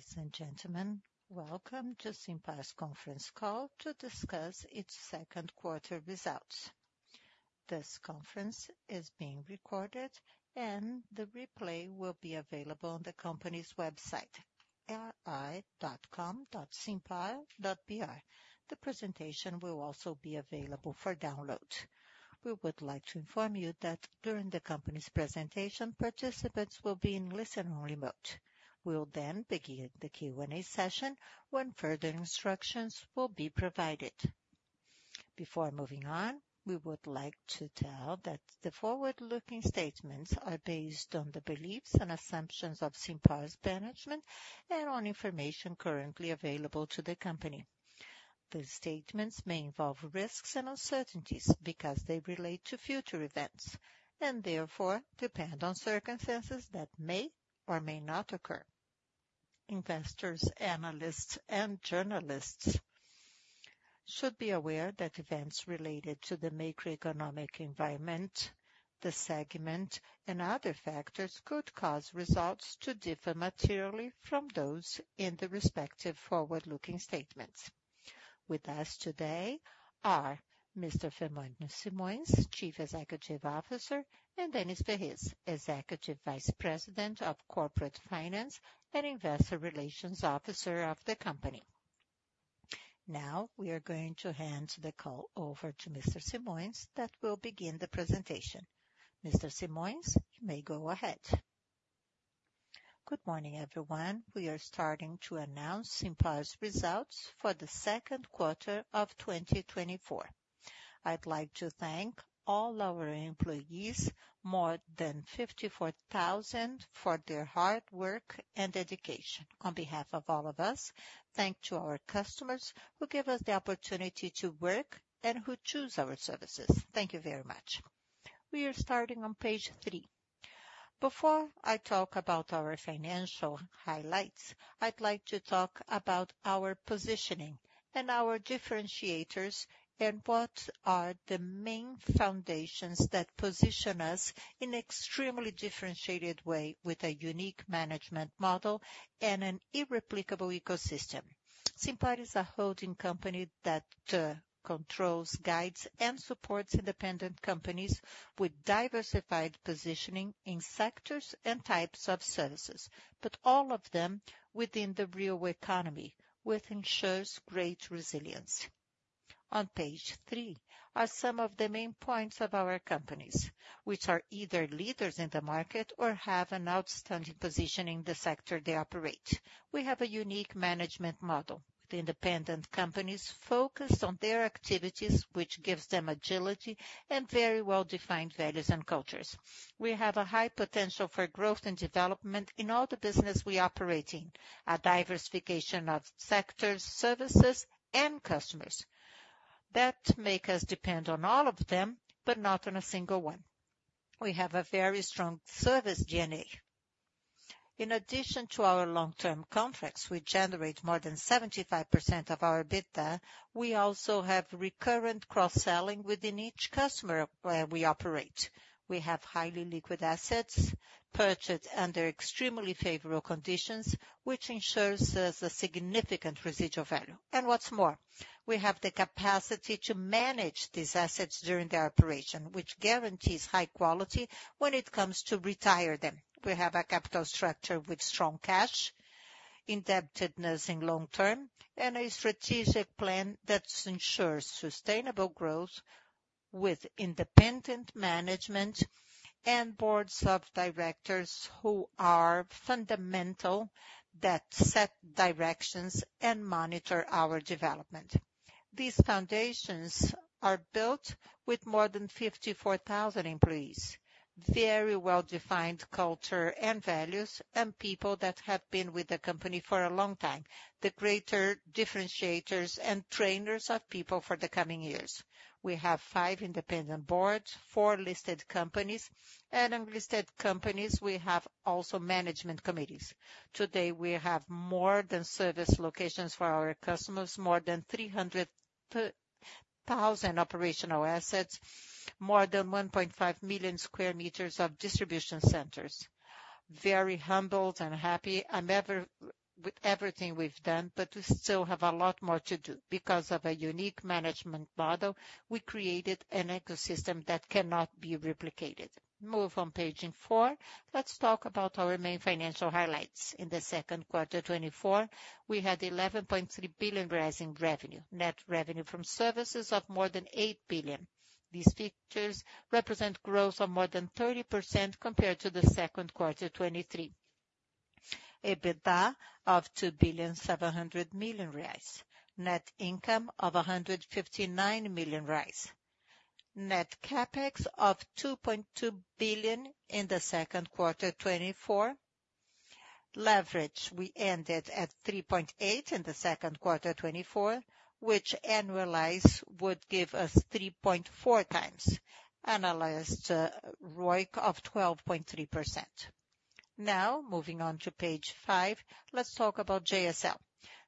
Good morning, ladies and gentlemen. Welcome to Simpar conference call to discuss its second quarter results. This conference is being recorded, and the replay will be available on the company's website, ri.simpar.com.br. The presentation will also be available for download. We would like to inform you that during the company's presentation, participants will be in listen-only mode. We will then begin the Q&A session, when further instructions will be provided. Before moving on, we would like to tell that the forward-looking statements are based on the beliefs and assumptions of Simpar's management and on information currently available to the company. These statements may involve risks and uncertainties because they relate to future events, and therefore depend on circumstances that may or may not occur. Investors, analysts, and journalists should be aware that events related to the macroeconomic environment, the segment, and other factors could cause results to differ materially from those in the respective forward-looking statements. With us today are Mr. Fernando Simões, Chief Executive Officer, and Denys Ferrez, Executive Vice President of Corporate Finance and Investor Relations Officer of the company. Now, we are going to hand the call over to Mr. Simões that will begin the presentation. Mr. Simões, you may go ahead. Good morning, everyone. We are starting to announce Simpar's results for the second quarter of 2024. I'd like to thank all our employees, more than 54,000, for their hard work and dedication. On behalf of all of us, thanks to our customers who give us the opportunity to work and who choose our services. Thank you very much. We are starting on Page three. Before I talk about our financial highlights, I'd like to talk about our positioning and our differentiators, and what are the main foundations that position us in extremely differentiated way with a unique management model and an irreplicable ecosystem. Simpar is a holding company that controls, guides, and supports independent companies with diversified positioning in sectors and types of services, but all of them within the real economy, which ensures great resilience. On Page three are some of the main points of our companies, which are either leaders in the market or have an outstanding position in the sector they operate. We have a unique management model. The independent companies focus on their activities, which gives them agility and very well-defined values and cultures. We have a high potential for growth and development in all the business we operate in. A diversification of sectors, services, and customers that make us depend on all of them, but not on a single one. We have a very strong service DNA. In addition to our long-term contracts, which generate more than 75% of our EBITDA, we also have recurrent cross-selling within each customer where we operate. We have highly liquid assets purchased under extremely favorable conditions, which ensures us a significant residual value. And what's more, we have the capacity to manage these assets during their operation, which guarantees high quality when it comes to retire them. We have a capital structure with strong cash, indebtedness in long term, and a strategic plan that ensures sustainable growth with independent management and boards of directors who are fundamental, that set directions and monitor our development. These foundations are built with more than 54,000 employees, very well-defined culture and values, and people that have been with the company for a long time, the greater differentiators and trainers of people for the coming years. We have five independent boards, four listed companies, and unlisted companies we have also management committees. Today, we have more than service locations for our customers, more than 300,000 operational assets, more than 1.5 million square meters of distribution centers. Very humbled and happy and with everything we've done, but we still have a lot more to do. Because of a unique management model, we created an ecosystem that cannot be replicated. Move on page four. Let's talk about our main financial highlights. In the second quarter 2024, we had 11.3 billion in revenue. Net revenue from services of more than eight billion. These figures represent growth of more than 30% compared to the second quarter, 2023. EBITDA of 2.7 billion reais. Net income of 159 million reais. Net CapEx of 2.2 billion in the second quarter, 2024. Leverage, we ended at 3.8 in the second quarter, 2024, which annualized would give us 3.4x. Annualized, ROIC of 12.3%. Now, moving on to Page five, let's talk about JSL.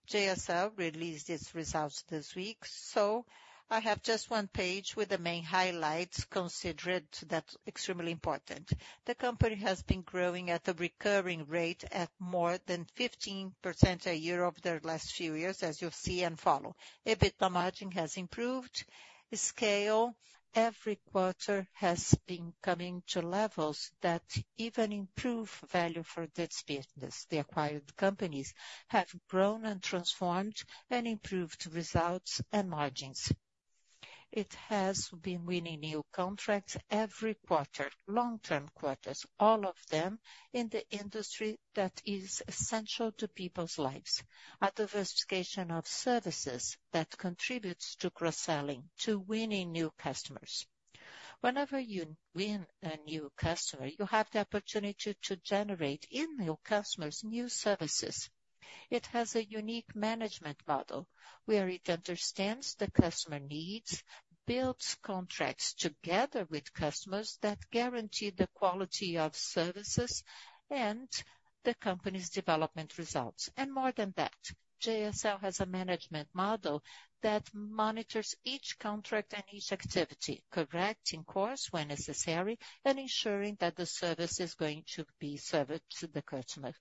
JSL released its results this week, so I have just one page with the main highlights considered that's extremely important. The company has been growing at a recurring rate at more than 15% a year over the last few years, as you'll see and follow. EBITDA margin has improved. The scale every quarter has been coming to levels that even improve value for this business. The acquired companies have grown and transformed and improved results and margins. It has been winning new contracts every quarter, long-term quarters, all of them in the industry that is essential to people's lives. A diversification of services that contributes to cross-selling, to winning new customers. Whenever you win a new customer, you have the opportunity to generate in new customers, new services. It has a unique management model, where it understands the customer needs, builds contracts together with customers that guarantee the quality of services and the company's development results. More than that, JSL has a management model that monitors each contract and each activity, correcting course when necessary, and ensuring that the service is going to be served to the customer.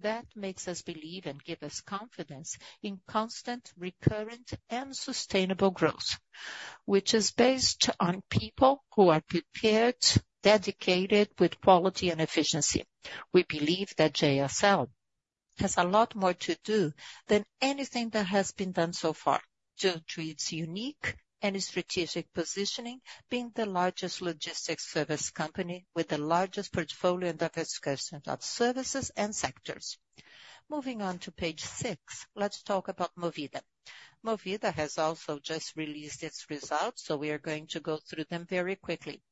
That makes us believe and give us confidence in constant, recurrent, and sustainable growth, which is based on people who are prepared, dedicated with quality and efficiency. We believe that JSL has a lot more to do than anything that has been done so far, due to its unique and strategic positioning, being the largest logistics service company with the largest portfolio and diversification of services and sectors. Moving on to page six, let's talk about Movida. Movida has also just released its results, so we are going to go through them very quickly.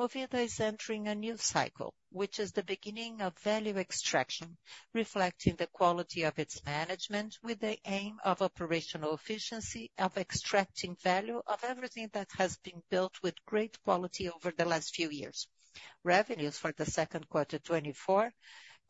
Movida is entering a new cycle, which is the beginning of value extraction, reflecting the quality of its management with the aim of operational efficiency, of extracting value of everything that has been built with great quality over the last few years. Revenues for the second quarter 2024,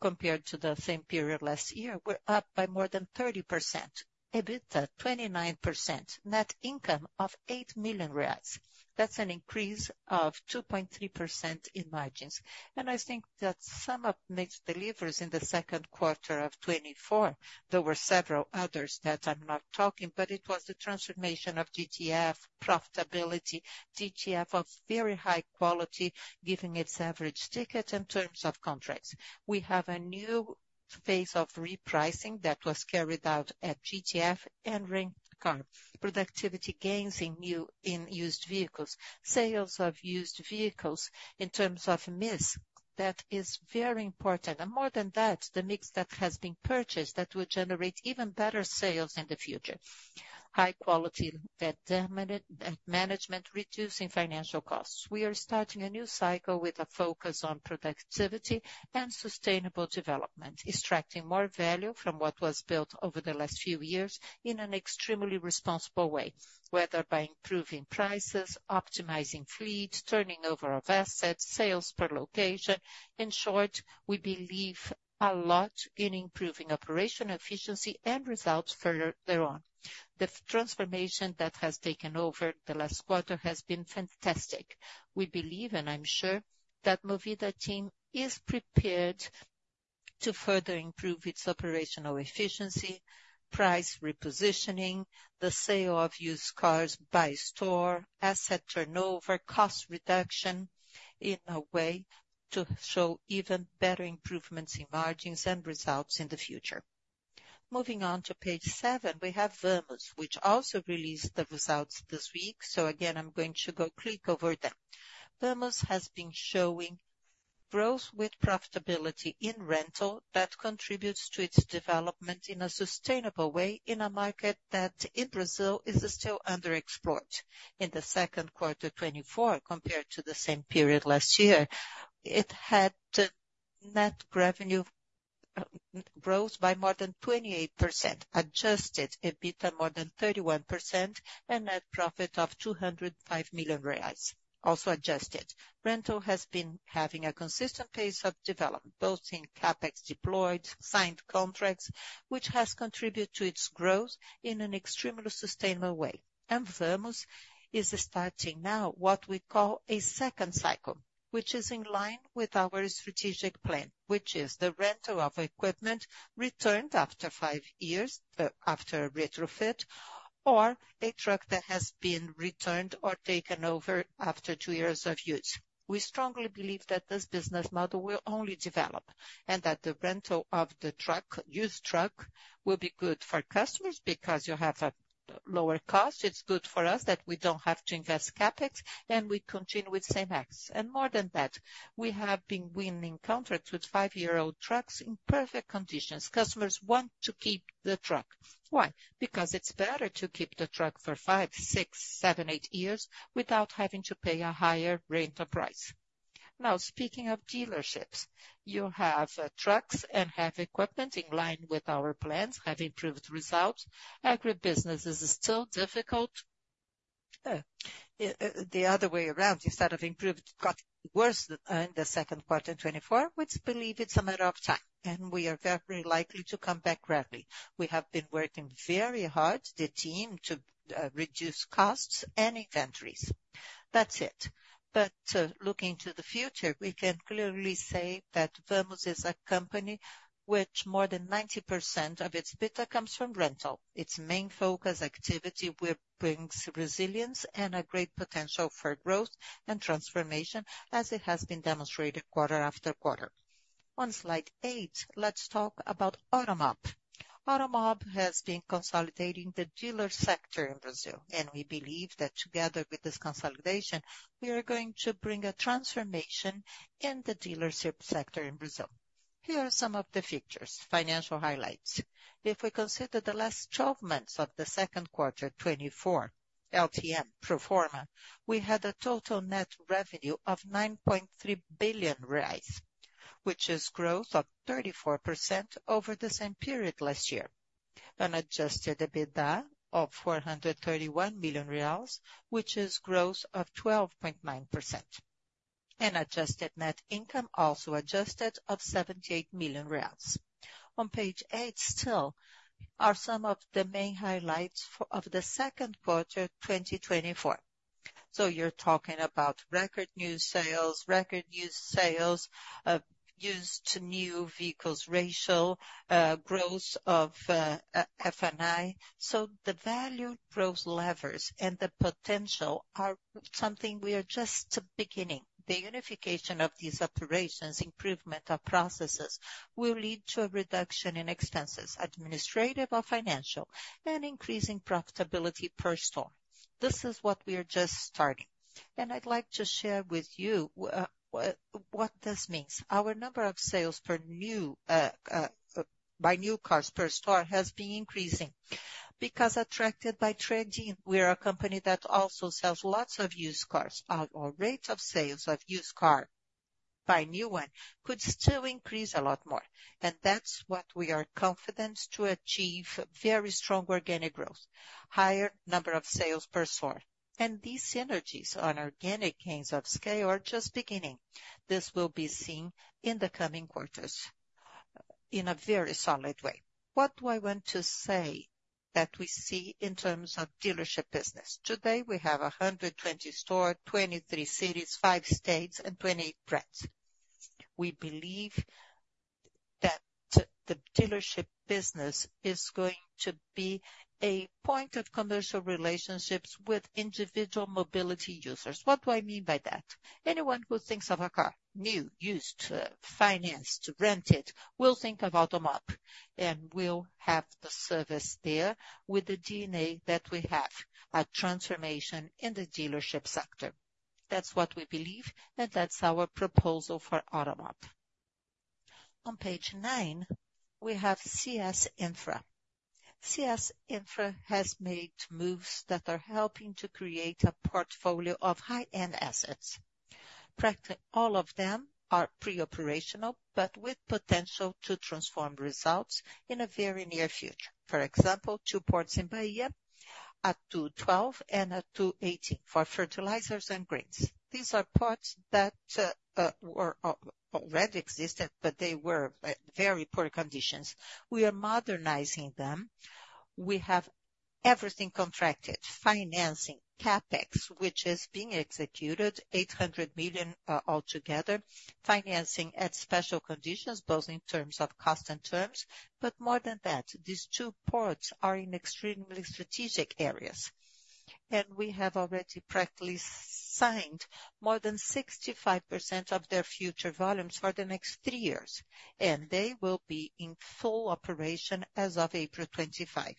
compared to the same period last year, were up by more than 30%. EBITDA 29%. Net income of 8 million reais. That's an increase of 2.3% in margins. And I think that some of mixed deliveries in the second quarter of 2024, there were several others that I'm not talking, but it was the transformation of GTF profitability, GTF of very high quality, given its average ticket in terms of contracts. We have a new phase of repricing that was carried out at GTF and Rent-a-Car. Productivity gains in new in used vehicles. Sales of used vehicles in terms of mix, that is very important. And more than that, the mix that has been purchased, that will generate even better sales in the future. High quality, determined management, reducing financial costs. We are starting a new cycle with a focus on productivity and sustainable development, extracting more value from what was built over the last few years in an extremely responsible way, whether by improving prices, optimizing fleet, turning over of assets, sales per location. In short, we believe a lot in improving operational efficiency and results further thereon. The transformation that has taken over the last quarter has been fantastic. We believe, and I'm sure, that Movida team is prepared to further improve its operational efficiency, price repositioning, the sale of used cars by store, asset turnover, cost reduction, in a way to show even better improvements in margins and results in the future. Moving on to page seven, we have Vamos, which also released the results this week. So again, I'm going to go quick over them. Vamos has been showing growth with profitability in rental that contributes to its development in a sustainable way, in a market that in Brazil is still underexplored. In the second quarter 2024, compared to the same period last year, it had net revenue growth by more than 28%, Adjusted EBITDA more than 31%, and net profit of 205 million reais, also adjusted. Rental has been having a consistent pace of development, both in CapEx deployed, signed contracts, which has contributed to its growth in an extremely sustainable way. Vamos is starting now what we call a second cycle, which is in line with our strategic plan, which is the rental of equipment returned after five years after retrofit, or a truck that has been returned or taken over after two years of use. We strongly believe that this business model will only develop, and that the rental of the truck, used truck, will be good for customers because you have a lower cost. It's good for us that we don't have to invest CapEx, and we continue with same assets. And more than that, we have been winning contracts with five-year-old trucks in perfect conditions. Customers want to keep the truck. Why? Because it's better to keep the truck for five, six, seven, eight years without having to pay a higher rental price. Now, speaking of dealerships, you have trucks and have equipment in line with our plans, have improved results. Agribusiness is still difficult. The other way around, instead of improved, got worse in the second quarter 2024, which believe it's a matter of time, and we are very likely to come back rapidly. We have been working very hard, the team, to reduce costs and inventories. That's it. But looking to the future, we can clearly say that Vamos is a company which more than 90% of its EBITDA comes from rental. Its main focus activity will brings resilience and a great potential for growth and transformation, as it has been demonstrated quarter after quarter. On Slide eight, let's talk about Automob. Automob has been consolidating the dealer sector in Brazil, and we believe that together with this consolidation, we are going to bring a transformation in the dealership sector in Brazil. Here are some of the features, financial highlights. If we consider the last 12 months of the second quarter 2024, LTM pro forma, we had a total net revenue of 9.3 billion reais, which is growth of 34% over the same period last year. An Adjusted EBITDA of BRL 431 million, which is growth of 12.9%. Adjusted net income, also adjusted, of 78 million reais. On Page eight, still are some of the main highlights of the second quarter 2024. So you're talking about record new sales, record used sales, used to new vehicles ratio, growth of F&I. So the value growth levers and the potential are something we are just beginning. The unification of these operations, improvement of processes, will lead to a reduction in expenses, administrative or financial, and increasing profitability per store. This is what we are just starting. And I'd like to share with you what this means. Our number of sales per new by new cars per store has been increasing. Because attracted by trade-in, we are a company that also sells lots of used cars. Our, our rate of sales of used car by new one could still increase a lot more, and that's what we are confident to achieve very strong organic growth, higher number of sales per store. These synergies on organic gains of scale are just beginning. This will be seen in the coming quarters in a very solid way. What do I want to say that we see in terms of dealership business? Today, we have 120 stores, 23 cities, five states, and 20 brands. We believe that the dealership business is going to be a point of commercial relationships with individual mobility users. What do I mean by that? Anyone who thinks of a car, new, used, financed, rented, will think of Automob, and we'll have the service there with the DNA that we have, a transformation in the dealership sector. That's what we believe, and that's our proposal for Automob. On Page nine, we have CS Infra. CS Infra has made moves that are helping to create a portfolio of high-end assets. Practically, all of them are pre-operational, but with potential to transform results in a very near future. For example, two ports in Bahia, an ATU12 and an ATU18 for fertilizers and grains. These are ports that were already existent, but they were at very poor conditions. We are modernizing them. We have everything contracted, financing, CapEx, which is being executed, 800 million altogether, financing at special conditions, both in terms of cost and terms. But more than that, these two ports are in extremely strategic areas, and we have already practically signed more than 65% of their future volumes for the next three years, and they will be in full operation as of April 2025.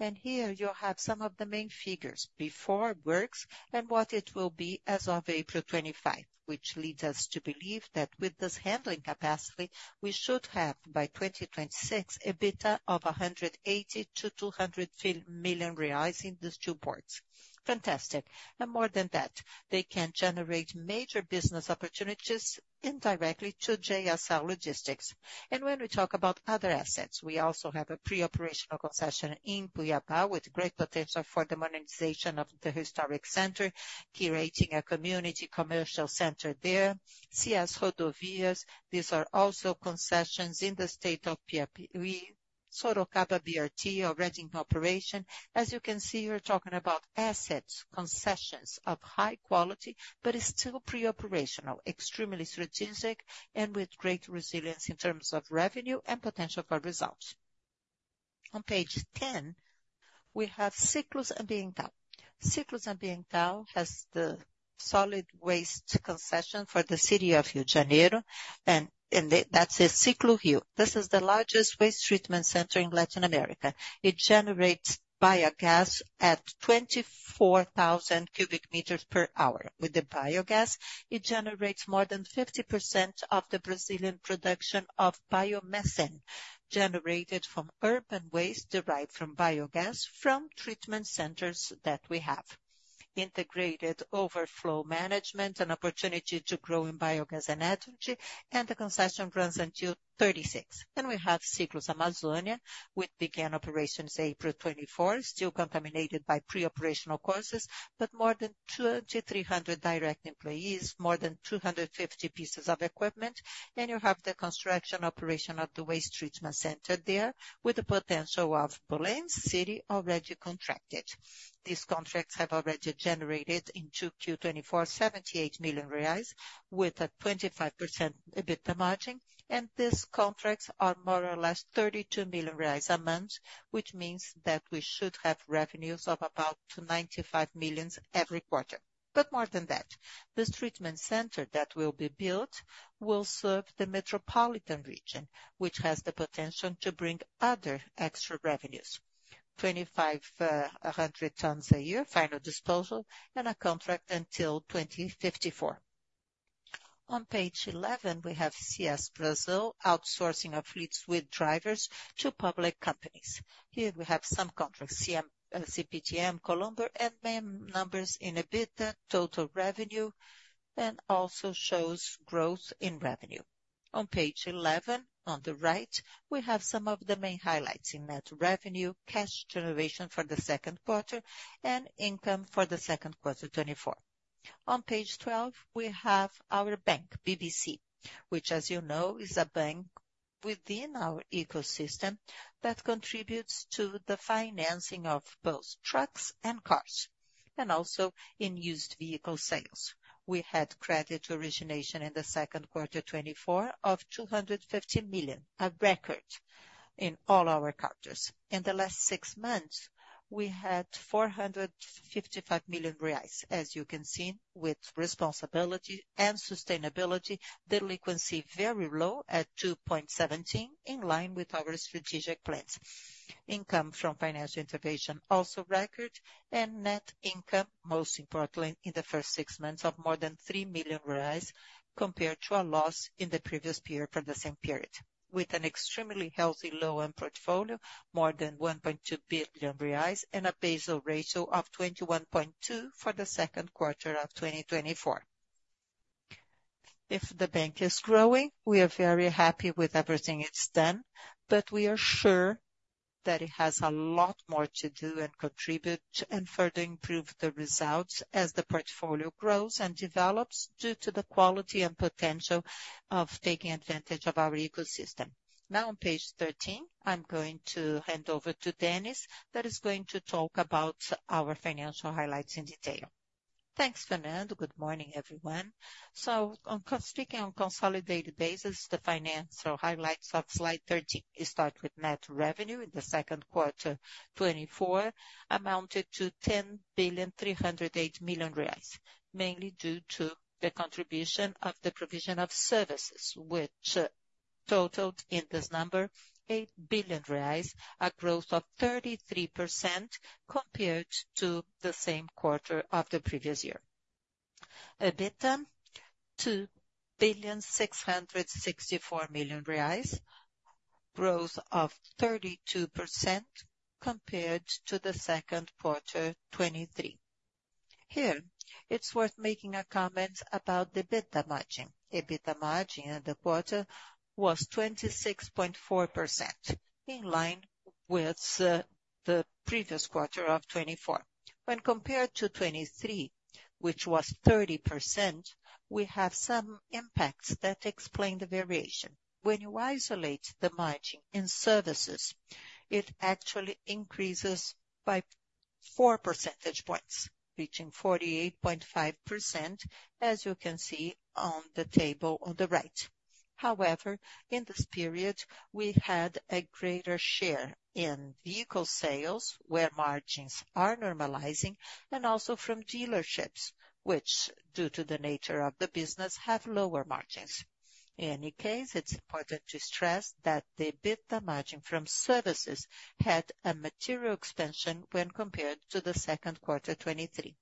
And here you have some of the main figures before it works and what it will be as of April 2025, which leads us to believe that with this handling capacity, we should have, by 2026, EBITDA of 180 million-200 million reais in these two ports. Fantastic. And more than that, they can generate major business opportunities indirectly to JSL Logistics. And when we talk about other assets, we also have a pre-operational concession in Cuiabá, with great potential for the monetization of the historic center, curating a community commercial center there. CS Rodovias, these are also concessions in the state of Piauí. We have Sorocaba BRT, already in operation. As you can see, we're talking about assets, concessions of high quality, but it's still pre-operational, extremely strategic, and with great resilience in terms of revenue and potential for results. On page ten, we have Ciclus Ambiental. Ciclus Ambiental has the solid waste concession for the city of Rio de Janeiro, and that's a Ciclus Rio. This is the largest waste treatment center in Latin America. It generates biogas at 24,000 cubic meters per hour. With the biogas, it generates more than 50% of the Brazilian production of biomethane, generated from urban waste derived from biogas, from treatment centers that we have. Integrated overflow management, an opportunity to grow in biogas and energy, and the concession runs until 2036. Then we have Ciclus Amazônia, which began operations April 2024, still contaminated by pre-operational causes, but more than 200-300 direct employees, more than 250 pieces of equipment. And you have the construction operation of the waste treatment center there, with the potential of Belém city already contracted. These contracts have already generated, in 2Q 2024, 78 million reais, with a 25% EBITDA margin. And these contracts are more or less 32 million reais a month, which means that we should have revenues of about 95 million every quarter. But more than that, this treatment center that will be built will serve the metropolitan region, which has the potential to bring other extra revenues. 2,500 tons a year, final disposal, and a contract until 2054. On Page 11, we have CS Brasil outsourcing of fleets with drivers to public companies. Here we have some contracts, CM, CPTM, Colombo, and main numbers in EBITDA, total revenue, and also shows growth in revenue. On Page 11, on the right, we have some of the main highlights in net revenue, cash generation for the second quarter, and income for the second quarter 2024. On Page 12, we have our bank, BBC, which, as you know, is a bank within our ecosystem that contributes to the financing of both trucks and cars, and also in used vehicle sales. We had credit origination in the second quarter 2024 of 250 million, a record in all our countries. In the last six months, we had 455 million reais, as you can see, with responsibility and sustainability. Delinquency very low, at 2.17%, in line with our strategic plans. Income from financial intermediation, also record and net income, most importantly, in the first six months, of more than 3 million reais, compared to a loss in the previous year for the same period, with an extremely healthy loan portfolio, more than 1.2 billion reais and a Basel Ratio of 21.2 for the second quarter of 2024. If the bank is growing, we are very happy with everything it's done, but we are sure that it has a lot more to do and contribute to, and further improve the results as the portfolio grows and develops, due to the quality and potential of taking advantage of our ecosystem. Now, on Page 13, I'm going to hand over to Denys, that is going to talk about our financial highlights in detail. Thanks, Fernando. Good morning, everyone. So, speaking on a consolidated basis, the financial highlights of Slide 13. We start with net revenue in the second quarter 2024 amounted to 10.308 billion, mainly due to the contribution of the provision of services, which totaled, in this number, 8 billion reais, a growth of 33% compared to the same quarter of the previous year. EBITDA, BRL 2.664 billion, growth of 32% compared to the second quarter 2023. Here, it's worth making a comment about the EBITDA margin. EBITDA margin in the quarter was 26.4%, in line with the previous quarter of 2024. When compared to 2023, which was 30%, we have some impacts that explain the variation. When you isolate the margin in services, it actually increases by 4 percentage points, reaching 48.5%, as you can see on the table on the right. However, in this period, we had a greater share in vehicle sales, where margins are normalizing, and also from dealerships, which, due to the nature of the business, have lower margins. In any case, it's important to stress that the EBITDA margin from services had a material expansion when compared to the second quarter 2023.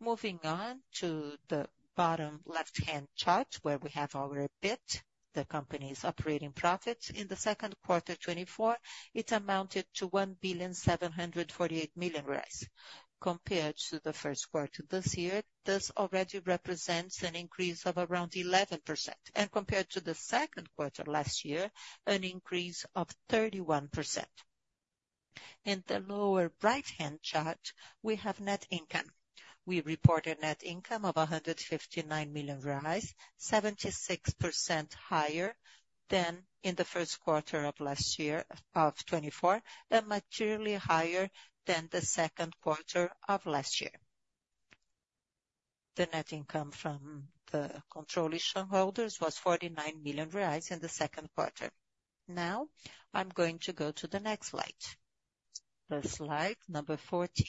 Moving on to the bottom left-hand chart, where we have our EBIT, the company's operating profit. In the second quarter 2024, it amounted to 1.748 billion. Compared to the first quarter this year, this already represents an increase of around 11%, and compared to the second quarter last year, an increase of 31%. In the lower right-hand chart, we have net income. We reported net income of 159 million, 76% higher than in the first quarter of last year, of 2024, and materially higher than the second quarter of last year. The net income from the controlling shareholders was 49 million reais in the second quarter. Now, I'm going to go to the next slide. The slide number 14.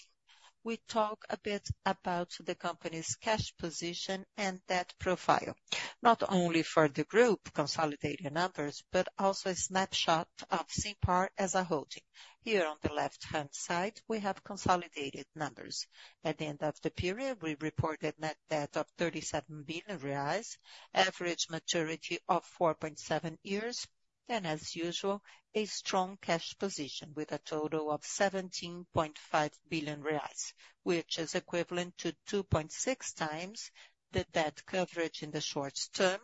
We talk a bit about the company's cash position and debt profile, not only for the group consolidating numbers, but also a snapshot of Simpar as a holding. Here on the left-hand side, we have consolidated numbers. At the end of the period, we reported net debt of 37 billion reais, average maturity of 4.7 years, and as usual, a strong cash position with a total of 17.5 billion reais, which is equivalent to 2.6x the debt coverage in the short term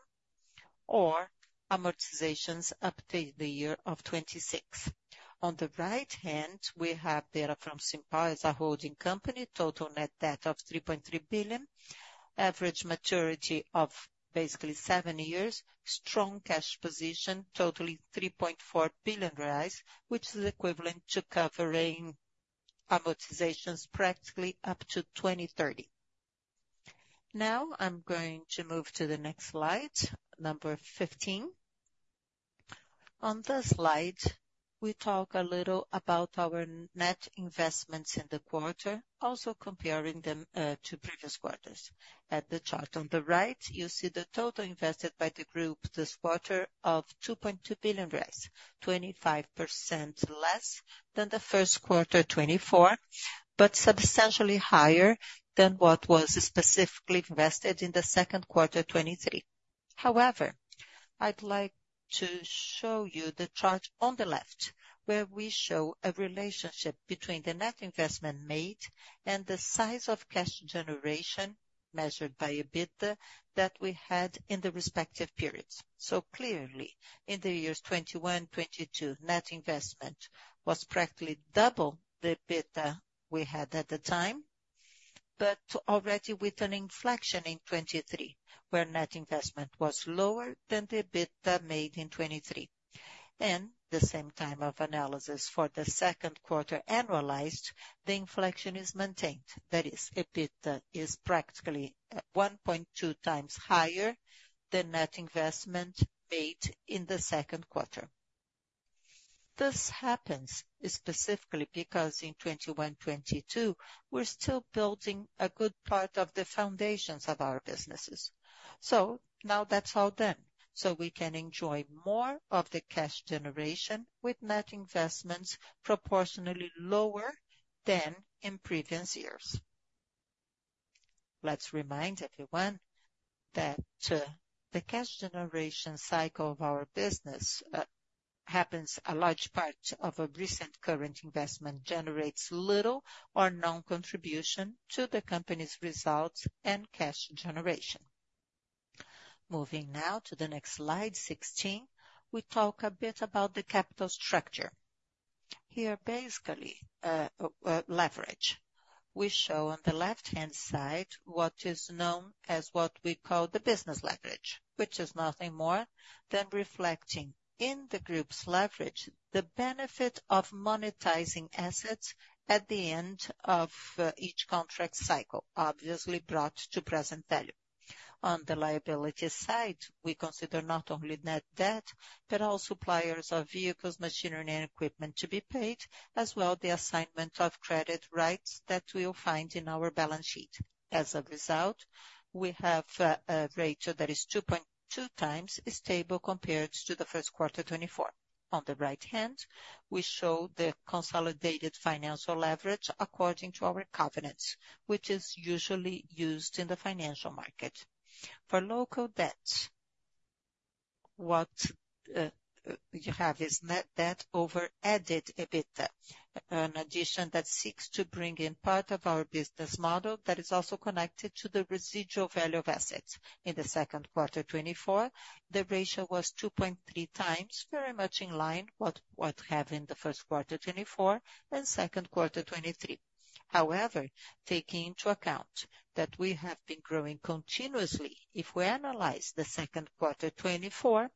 or amortizations up to the year of 2026. On the right hand, we have data from Simpar as a holding company. Total net debt of 3.3 billion, average maturity of basically seven years. Strong cash position totaling 3.4 billion, which is equivalent to covering amortizations practically up to 2030. Now, I'm going to move to the next slide, number 15. On this slide, we talk a little about our net investments in the quarter, also comparing them to previous quarters. At the chart on the right, you see the total invested by the group this quarter of 2.2 billion, 25% less than the first quarter 2024, but substantially higher than what was specifically invested in the second quarter 2023. However, I'd like to show you the chart on the left, where we show a relationship between the net investment made and the size of cash generation, measured by EBITDA, that we had in the respective periods. So clearly, in the years 2021, 2022, net investment was practically double the EBITDA we had at the time, but already with an inflection in 2023, where net investment was lower than the EBITDA made in 2023. The same time of analysis for the second quarter annualized, the inflection is maintained. That is, EBITDA is practically at 1.2x higher than net investment made in the second quarter. This happens specifically because in 2021, 2022, we're still building a good part of the foundations of our businesses. So now that's all done, so we can enjoy more of the cash generation with net investments proportionately lower than in previous years. Let's remind everyone that the cash generation cycle of our business happens a large part of a recent current investment, generates little or no contribution to the company's results and cash generation. Moving now to the next Slide, 16. We talk a bit about the capital structure. Here, basically, leverage. We show on the left-hand side what is known as what we call the business leverage, which is nothing more than reflecting in the group's leverage, the benefit of monetizing assets at the end of each contract cycle, obviously brought to present value. On the liability side, we consider not only net debt, but all suppliers of vehicles, machinery, and equipment to be paid, as well the assignment of credit rights that we'll find in our balance sheet. As a result, we have a ratio that is 2.2x stable, compared to the first quarter 2024. On the right hand, we show the consolidated financial leverage according to our covenants, which is usually used in the financial market. For local debt, what you have is net debt over adjusted EBITDA. An addition that seeks to bring in part of our business model that is also connected to the residual value of assets. In the second quarter, 2024, the ratio was 2.3x, very much in line with what we have in the first quarter, 2024 and second quarter, 2023. However, taking into account that we have been growing continuously, if we analyze the second quarter, 2024,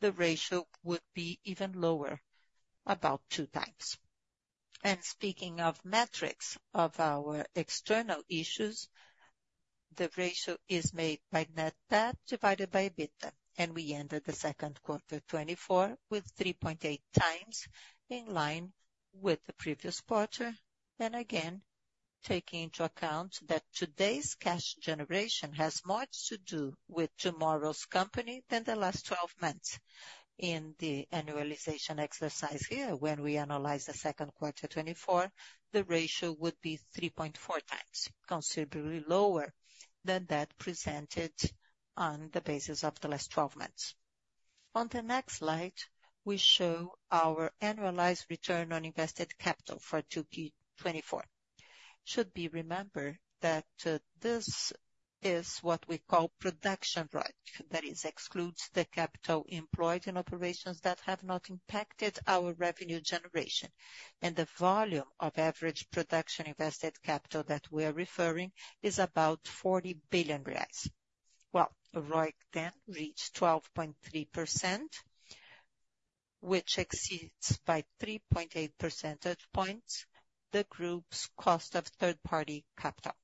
the ratio would be even lower, about 2x. Speaking of metrics of our external issues, the ratio is made by net debt divided by EBITDA, and we ended the second quarter, 2024, with 3.8x, in line with the previous quarter. Again, taking into account that today's cash generation has much to do with tomorrow's company than the last 12 months. In the annualization exercise here, when we analyze the second quarter 2024, the ratio would be 3.4x, considerably lower than that presented on the basis of the last 12 months. On the next slide, we show our annualized return on invested capital for 2Q 2024. Should be remembered that, this is what we call production ROIC. That is, excludes the capital employed in operations that have not impacted our revenue generation. And the volume of average production invested capital that we are referring is about 40 billion reais. Well, ROIC then reached 12.3%, which exceeds by 3.8 percentage points, the group's cost of third-party capital.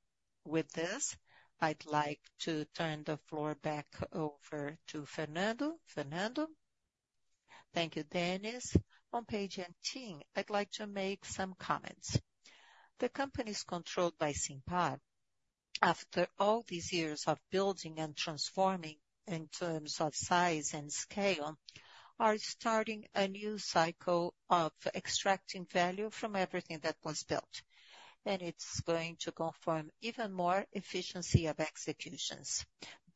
With this, I'd like to turn the floor back over to Fernando. Fernando? Thank you, Denys. On Page 18, I'd like to make some comments. The companies controlled by Simpar, after all these years of building and transforming in terms of size and scale, are starting a new cycle of extracting value from everything that was built, and it's going to confirm even more efficiency of executions.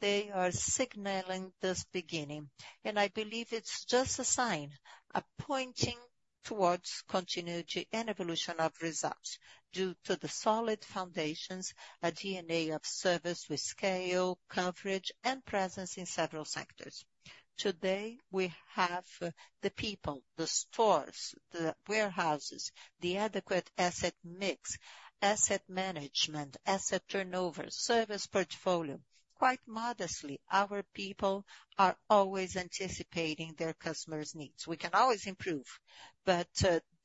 They are signaling this beginning, and I believe it's just a sign, a pointing towards continuity and evolution of results due to the solid foundations, a DNA of service with scale, coverage, and presence in several sectors. Today, we have the people, the stores, the warehouses, the adequate asset mix, asset management, asset turnover, service portfolio. Quite modestly, our people are always anticipating their customers' needs. We can always improve, but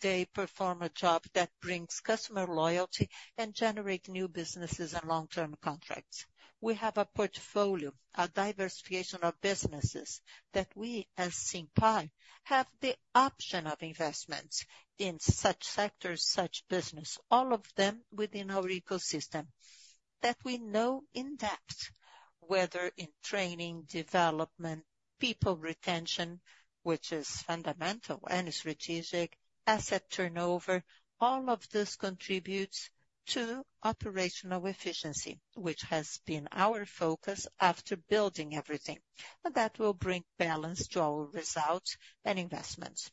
they perform a job that brings customer loyalty and generate new businesses and long-term contracts. We have a portfolio, a diversification of businesses, that we, as Simpar, have the option of investment in such sectors, such business, all of them within our ecosystem, that we know in depth, whether in training, development, people retention, which is fundamental and strategic, asset turnover. All of this contributes to operational efficiency, which has been our focus after building everything, and that will bring balance to our results and investments.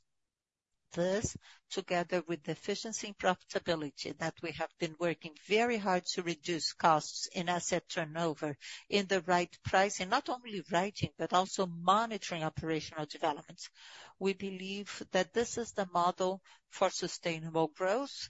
This, together with the efficiency and profitability that we have been working very hard to reduce costs in asset turnover, in the right pricing, not only writing, but also monitoring operational developments. We believe that this is the model for sustainable growth,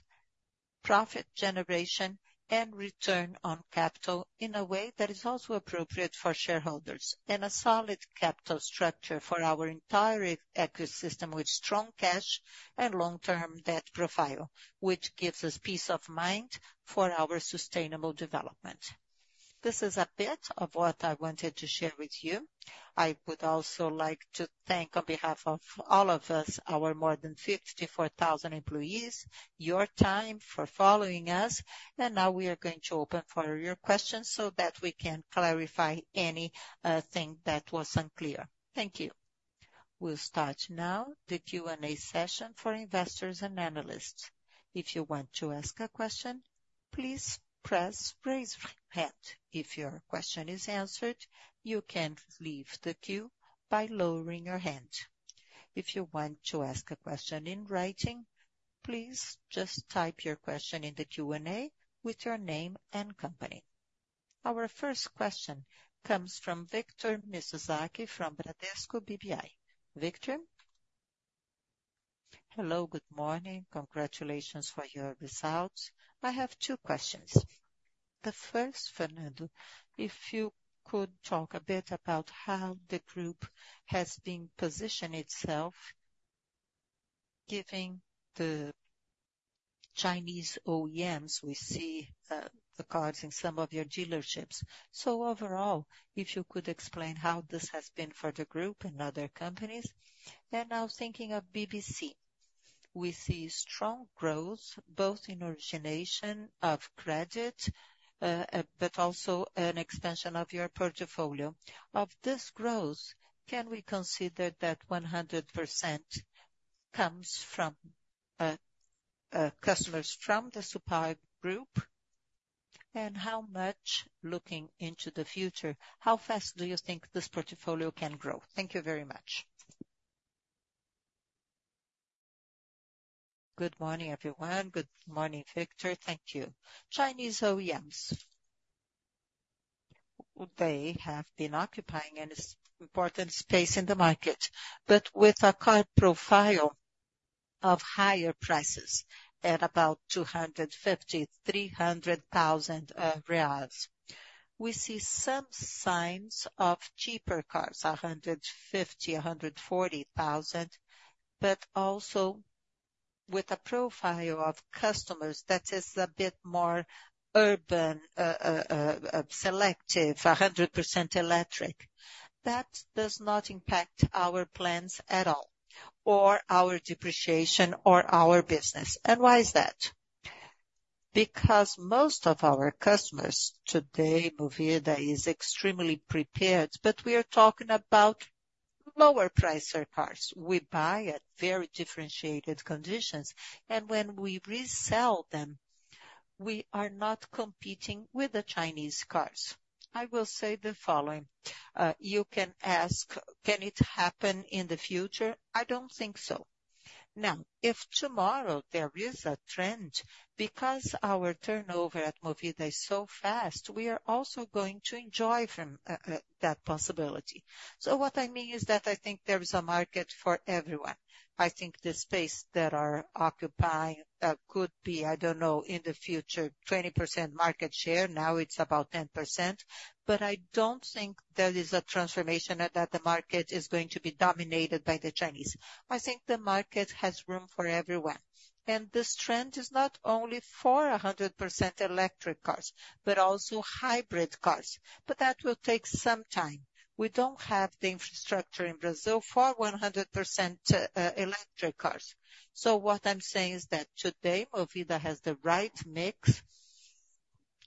profit generation, and return on capital in a way that is also appropriate for shareholders, and a solid capital structure for our entire ecosystem, with strong cash and long-term debt profile, which gives us peace of mind for our sustainable development. This is a bit of what I wanted to share with you. I would also like to thank, on behalf of all of us, our more than 54,000 employees, your time for following us. Now we are going to open for your questions so that we can clarify anything that was unclear. Thank you. We'll start now the Q&A session for investors and analysts. If you want to ask a question, please press raise hand. If your question is answered, you can leave the queue by lowering your hand. If you want to ask a question in writing, please just type your question in the Q&A with your name and company. Our first question comes from Victor Mizusaki, from Bradesco BBI. Victor? Hello, good morning. Congratulations for your results. I have two questions. The first, Fernando, if you could talk a bit about how the group has been positioning itself, given the Chinese OEMs, we see the cars in some of your dealerships. So overall, if you could explain how this has been for the group and other companies. And now thinking of BBC, we see strong growth, both in origination of credit, but also an expansion of your portfolio. Of this growth, can we consider that 100% comes from customers from the Simpar group? And how much, looking into the future, how fast do you think this portfolio can grow? Thank you very much. Good morning, everyone. Good morning, Victor. Thank you. Chinese OEMs, they have been occupying an important space in the market, but with a car profile of higher prices at about 250,000-300,000 reais. We see some signs of cheaper cars, 150,000, 140,000, but also with a profile of customers that is a bit more urban, selective, 100% electric. That does not impact our plans at all, or our depreciation, or our business. And why is that? Because most of our customers today, Movida is extremely prepared, but we are talking about lower pricer cars. We buy at very differentiated conditions, and when we resell them, we are not competing with the Chinese cars. I will say the following, you can ask: Can it happen in the future? I don't think so. Now, if tomorrow there is a trend, because our turnover at Movida is so fast, we are also going to enjoy from that possibility. So what I mean is that I think there is a market for everyone. I think the space that are occupying could be, I don't know, in the future, 20% market share. Now it's about 10%, but I don't think there is a transformation that the market is going to be dominated by the Chinese. I think the market has room for everyone, and this trend is not only for 100% electric cars, but also hybrid cars. But that will take some time. We don't have the infrastructure in Brazil for 100% electric cars. So what I'm saying is that today, Movida has the right mix,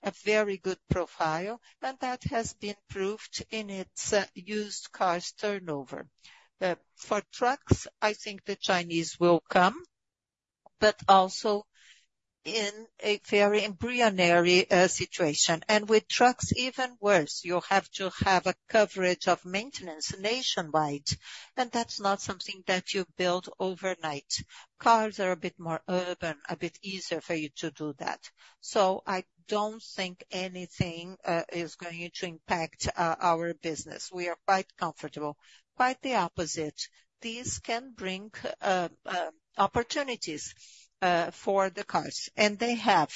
a very good profile, and that has been proved in its used cars turnover. For trucks, I think the Chinese will come... but also in a very embryonic situation. And with trucks, even worse, you have to have a coverage of maintenance nationwide, and that's not something that you build overnight. Cars are a bit more urban, a bit easier for you to do that. So I don't think anything is going to impact our business. We are quite comfortable. Quite the opposite, these can bring opportunities for the cars, and they have,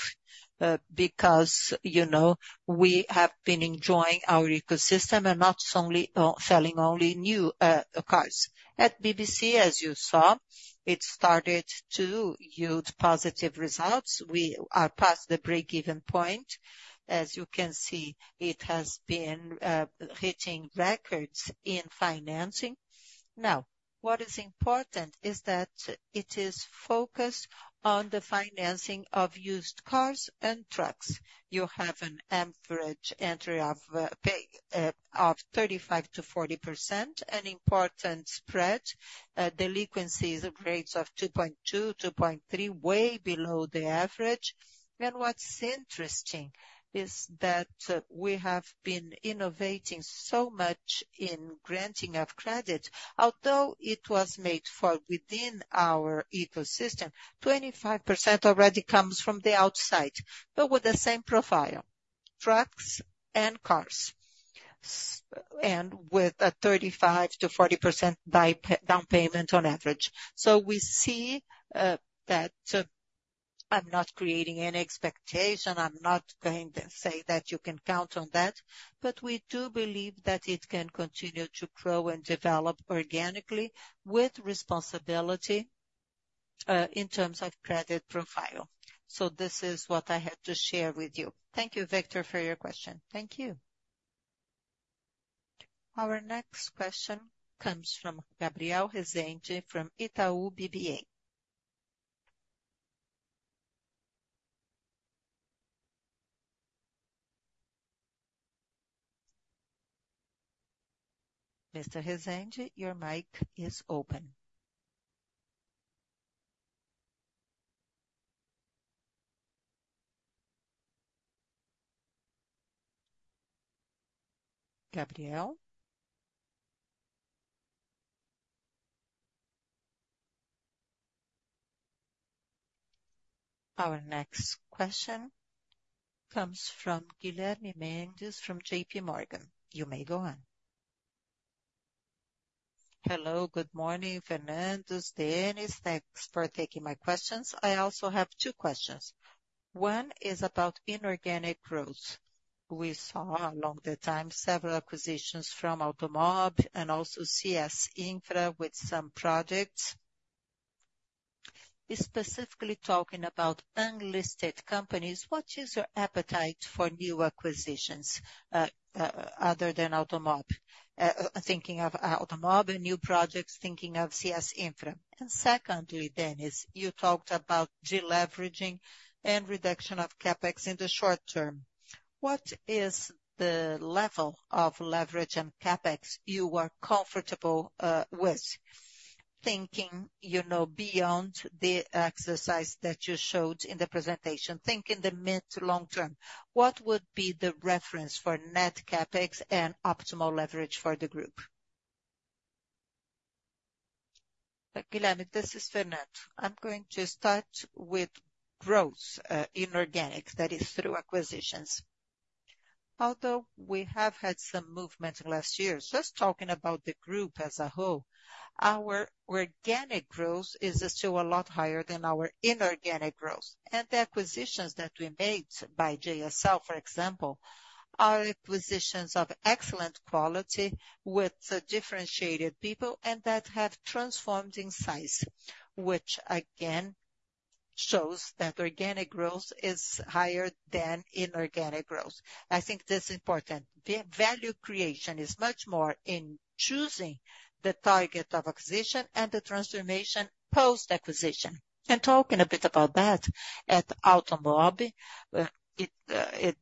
because, you know, we have been enjoying our ecosystem and not only selling only new cars. At BBC, as you saw, it started to yield positive results. We are past the break-even point. As you can see, it has been hitting records in financing. Now, what is important is that it is focused on the financing of used cars and trucks. You have an average entry of pay of 35%-40%, an important spread. Delinquencies of rates of 2.2, 2.3, way below the average. And what's interesting is that we have been innovating so much in granting of credit. Although it was made for within our ecosystem, 25% already comes from the outside, but with the same profile, trucks and cars, and with a 35%-40% by down payment on average. So we see that... I'm not creating any expectation, I'm not going to say that you can count on that, but we do believe that it can continue to grow and develop organically with responsibility, in terms of credit profile. So this is what I have to share with you. Thank you, Victor, for your question. Thank you. Our next question comes from Gabriel Rezende, from Itaú BBA. Mr. Rezende, your mic is open. Gabriel? Our next question comes from Guilherme Mendes, from JPMorgan. You may go on. Hello, good morning, Fernando, Denys. Thanks for taking my questions. I also have two questions. One is about inorganic growth. We saw along the time several acquisitions from Automob and also CS Infra with some projects. Specifically talking about unlisted companies, what is your appetite for new acquisitions, other than Automob? Thinking of Automob and new projects, thinking of CS Infra. Secondly, Denys, you talked about deleveraging and reduction of CapEx in the short term. What is the level of leverage and CapEx you are comfortable with? Thinking, you know, beyond the exercise that you showed in the presentation, think in the mid to long term, what would be the reference for net CapEx and optimal leverage for the group? Guilherme, this is Fernando. I'm going to start with growth, inorganic, that is through acquisitions. Although we have had some movement in last years, just talking about the group as a whole, our organic growth is still a lot higher than our inorganic growth. And the acquisitions that we made by JSL, for example, are acquisitions of excellent quality with differentiated people and that have transformed in size, which again, shows that organic growth is higher than inorganic growth. I think this is important. The value creation is much more in choosing the target of acquisition and the transformation post-acquisition. Talking a bit about that, at Automob,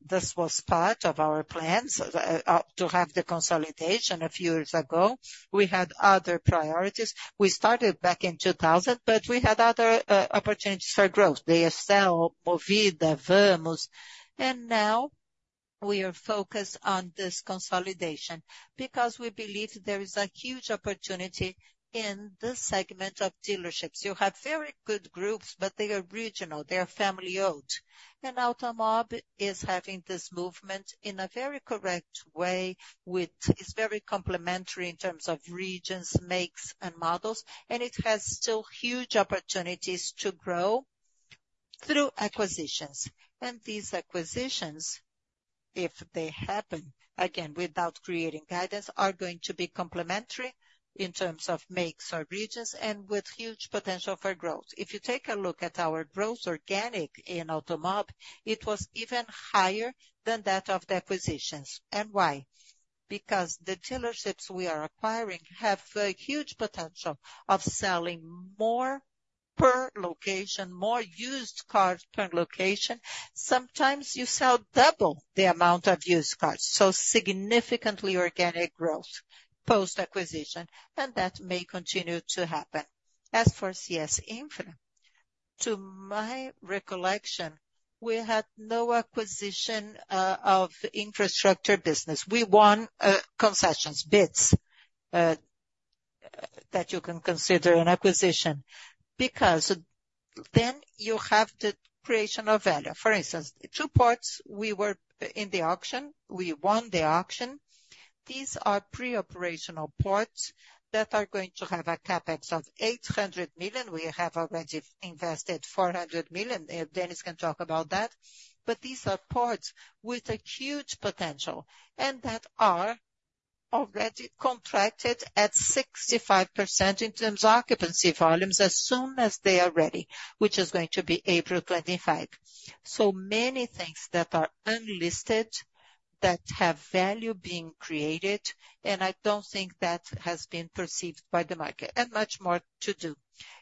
this was part of our plans to have the consolidation a few years ago. We had other priorities. We started back in 2000, but we had other opportunities for growth, JSL, Movida, Vamos, and now we are focused on this consolidation because we believe there is a huge opportunity in this segment of dealerships. You have very good groups, but they are regional, they are family-owned. Automob is having this movement in a very correct way with. It's very complementary in terms of regions, makes, and models, and it has still huge opportunities to grow through acquisitions. And these acquisitions, if they happen, again, without creating guidance, are going to be complementary in terms of makes or regions and with huge potential for growth. If you take a look at our growth organic in Automob, it was even higher than that of the acquisitions. And why? Because the dealerships we are acquiring have a huge potential of selling more per location, more used cars per location. Sometimes you sell double the amount of used cars, so significantly organic growth post-acquisition, and that may continue to happen. As for CS Infra. To my recollection, we had no acquisition of infrastructure business. We won concessions, bids that you can consider an acquisition, because then you have the creation of value. For instance, two ports, we were in the auction, we won the auction. These are pre-operational ports that are going to have a CapEx of 800 million. We have already invested 400 million, Denys can talk about that. But these are ports with a huge potential, and that are already contracted at 65% in terms of occupancy volumes, as soon as they are ready, which is going to be April 25. So many things that are unlisted, that have value being created, and I don't think that has been perceived by the market, and much more to do.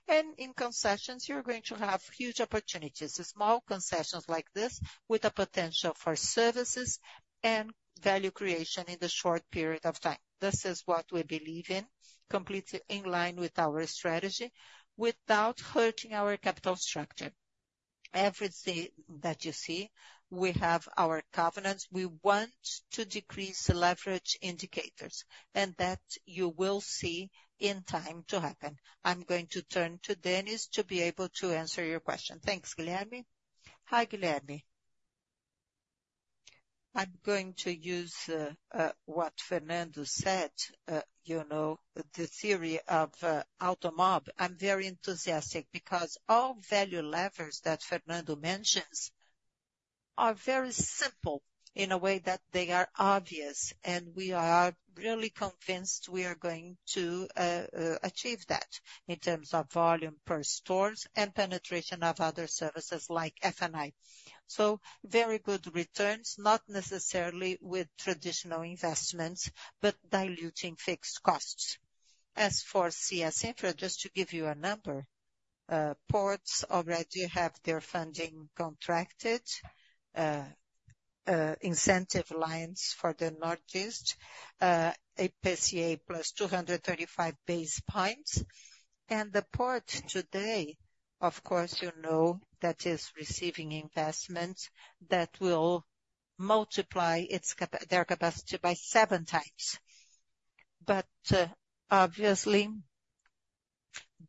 And in concessions, you're going to have huge opportunities. Small concessions like this, with a potential for services and value creation in a short period of time. This is what we believe in, completely in line with our strategy, without hurting our capital structure. Everything that you see, we have our covenants. We want to decrease the leverage indicators, and that you will see in time to happen. I'm going to turn to Denys to be able to answer your question. Thanks, Guilherme. Hi, Guilherme. I'm going to use what Fernando said, you know, the theory of Automob. I'm very enthusiastic, because all value levers that Fernando mentions are very simple, in a way that they are obvious, and we are really convinced we are going to achieve that in terms of volume per stores and penetration of other services like F&I. So very good returns, not necessarily with traditional investments, but diluting fixed costs. As for CS Infra, just to give you a number, ports already have their funding contracted, incentive lines for the Northeast, IPCA +235 basis points. The port today, of course, you know, that is receiving investment, that will multiply its capacity by seven times. But obviously,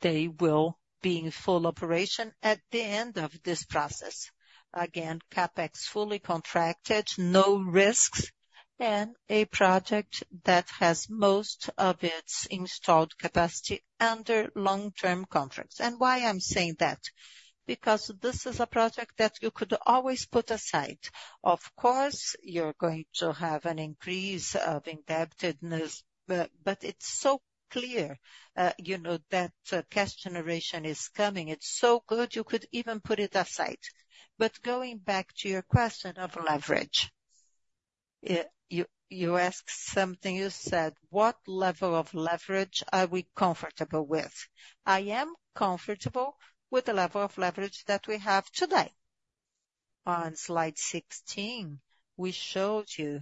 they will be in full operation at the end of this process. Again, CapEx fully contracted, no risks, and a project that has most of its installed capacity under long-term contracts. Why I'm saying that? Because this is a project that you could always put aside. Of course, you're going to have an increase of indebtedness, but it's so clear, you know, that cash generation is coming. It's so good, you could even put it aside. Going back to your question of leverage. You asked something, you said, "What level of leverage are we comfortable with?" I am comfortable with the level of leverage that we have today. On Slide 16, we showed you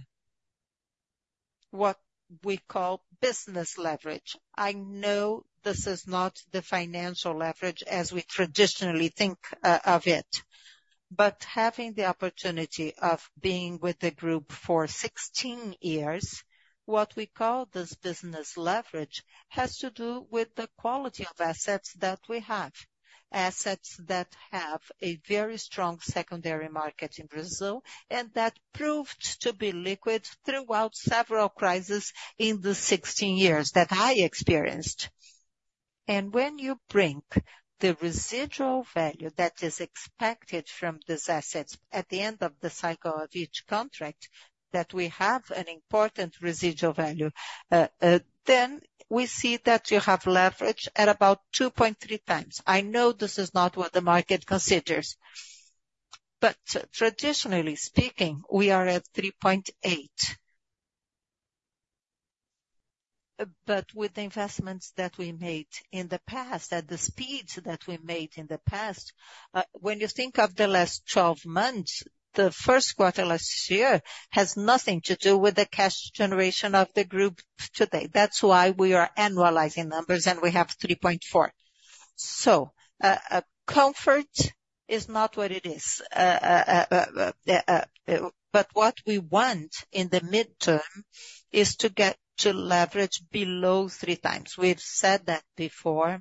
what we call business leverage. I know this is not the financial leverage as we traditionally think, of it. But having the opportunity of being with the group for 16 years, what we call this business leverage, has to do with the quality of assets that we have. Assets that have a very strong secondary market in Brazil, and that proved to be liquid throughout several crises in the 16 years that I experienced. And when you bring the residual value that is expected from these assets at the end of the cycle of each contract, that we have an important residual value, then we see that you have leverage at about 2.3x. I know this is not what the market considers, but traditionally speaking, we are at 3.8. But with the investments that we made in the past, at the speeds that we made in the past, when you think of the last twelve months, the first quarter last year has nothing to do with the cash generation of the group today. That's why we are annualizing numbers, and we have 3.4. So, comfort is not what it is. But what we want in the midterm is to get to leverage below 3x. We've said that before,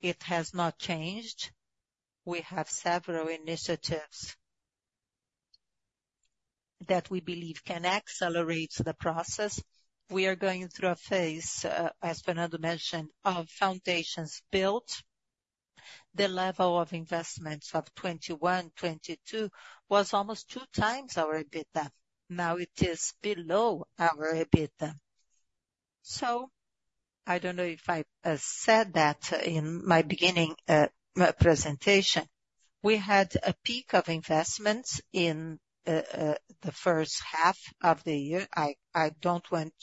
it has not changed. We have several initiatives that we believe can accelerate the process. We are going through a phase, as Fernando mentioned, of foundations built. The level of investments of 2021, 2022 was almost 2x our EBITDA. Now it is below our EBITDA. So I don't know if I said that in my beginning presentation. We had a peak of investments in the first half of the year. I don't want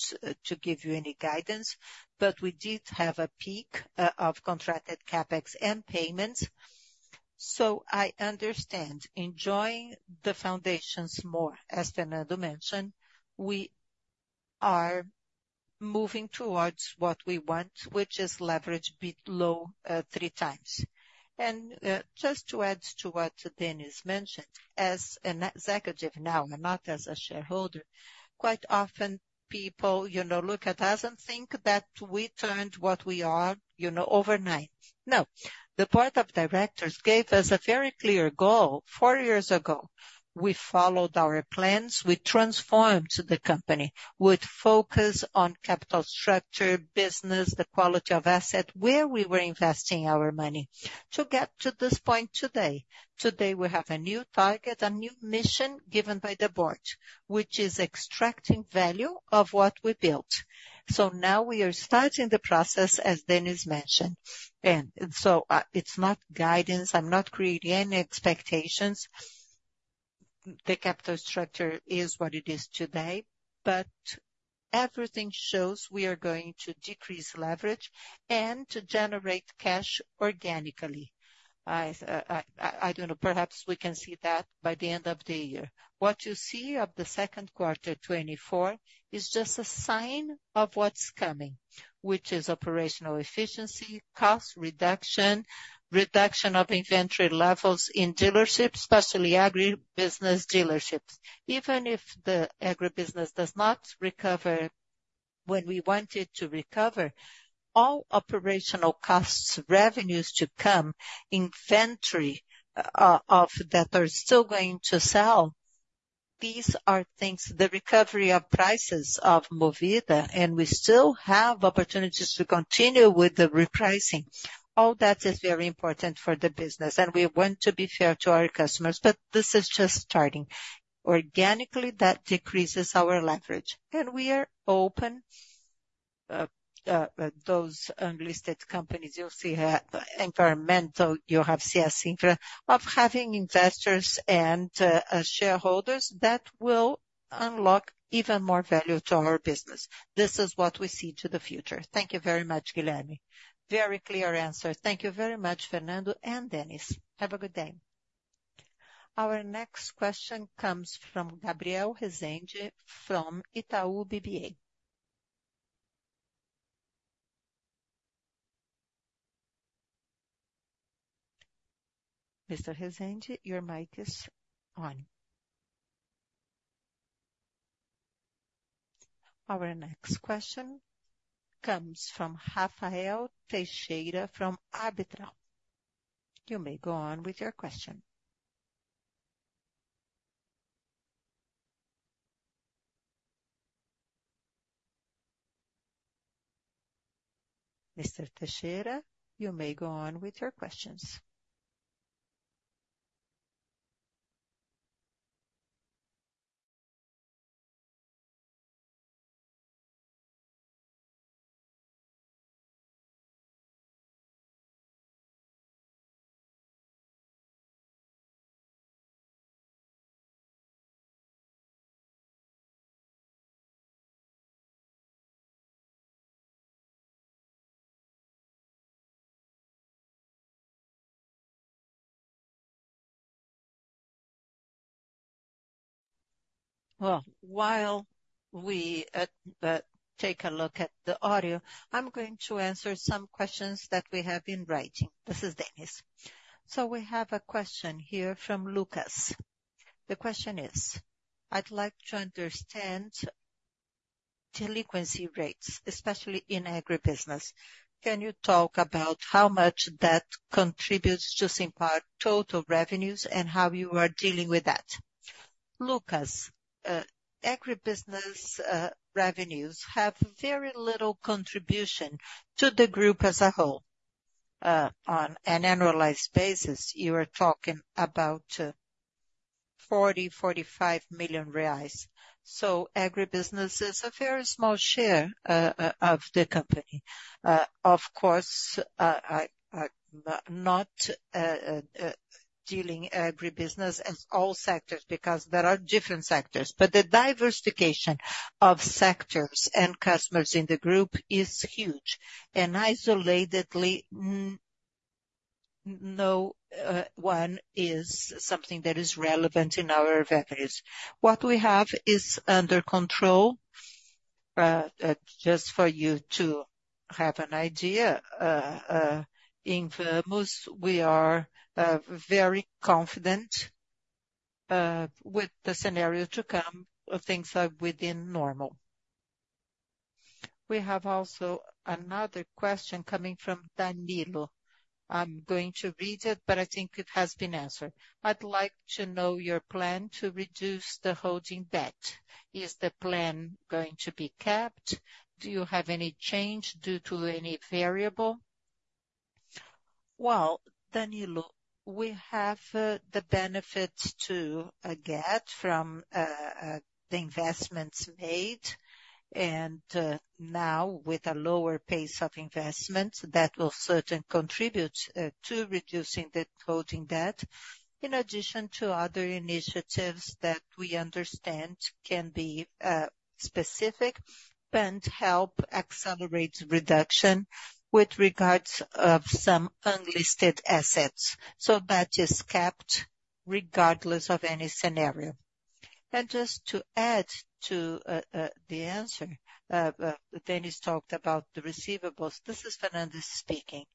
to give you any guidance, but we did have a peak of contracted CapEx and payments. So I understand, enjoying the foundations more, as Fernando mentioned, we are moving towards what we want, which is leverage below 3x. And just to add to what Denys mentioned, as an executive now and not as a shareholder, quite often people, you know, look at us and think that we turned what we are, you know, overnight. No, the board of directors gave us a very clear goal four years ago. We followed our plans, we transformed the company, with focus on capital structure, business, the quality of asset, where we were investing our money to get to this point today. Today, we have a new target, a new mission given by the board, which is extracting value of what we built. So now we are starting the process, as Denys mentioned. And so, it's not guidance, I'm not creating any expectations. The capital structure is what it is today, but everything shows we are going to decrease leverage and to generate cash organically. I, I don't know, perhaps we can see that by the end of the year. What you see of the second quarter 2024 is just a sign of what's coming, which is operational efficiency, cost reduction, reduction of inventory levels in dealerships, especially agribusiness dealerships. Even if the agribusiness does not recover when we want it to recover, all operational costs, revenues to come, inventory of that are still going to sell. These are things, the recovery of prices of Movida, and we still have opportunities to continue with the repricing. All that is very important for the business, and we want to be fair to our customers, but this is just starting. Organically, that decreases our leverage, and we are open, those unlisted companies, you'll see, environmental, you have CS Infra, of having investors and shareholders that will unlock even more value to our business. This is what we see to the future. Thank you very much, Guilherme. Very clear answer. Thank you very much, Fernando and Denys. Have a good day. Our next question comes from Gabriel Rezende, from Itaú BBA. Mr. Rezende, your mic is on. Our next question comes from Rafael Teixeira, from Arbitral. You may go on with your question. Mr. Teixeira, you may go on with your questions. Well, while we take a look at the audio, I'm going to answer some questions that we have in writing. This is Denys. So we have a question here from Lucas. The question is: I'd like to understand delinquency rates, especially in agribusiness. Can you talk about how much that contributes to Simpar total revenues and how you are dealing with that? Lucas, agribusiness revenues have very little contribution to the group as a whole. On an annualized basis, you are talking about 40 million-45 million reais. So agribusiness is a very small share of the company. Of course, not dealing agribusiness as all sectors, because there are different sectors. But the diversification of sectors and customers in the group is huge, and isolatedly, no one is something that is relevant in our revenues. What we have is under control. Just for you to have an idea, in Vamos, we are very confident with the scenario to come; things are within normal. We have also another question coming from Danilo. I'm going to read it, but I think it has been answered. I'd like to know your plan to reduce the holding debt. Is the plan going to be kept? Do you have any change due to any variable? Well, Danilo, we have the benefits to get from the investments made, and now, with a lower pace of investment, that will certainly contribute to reducing the holding debt, in addition to other initiatives that we understand can be specific and help accelerate reduction with regards to some unlisted assets. So that is kept regardless of any scenario. And just to add to the answer, Denys talked about the receivables. This is Fernando speaking.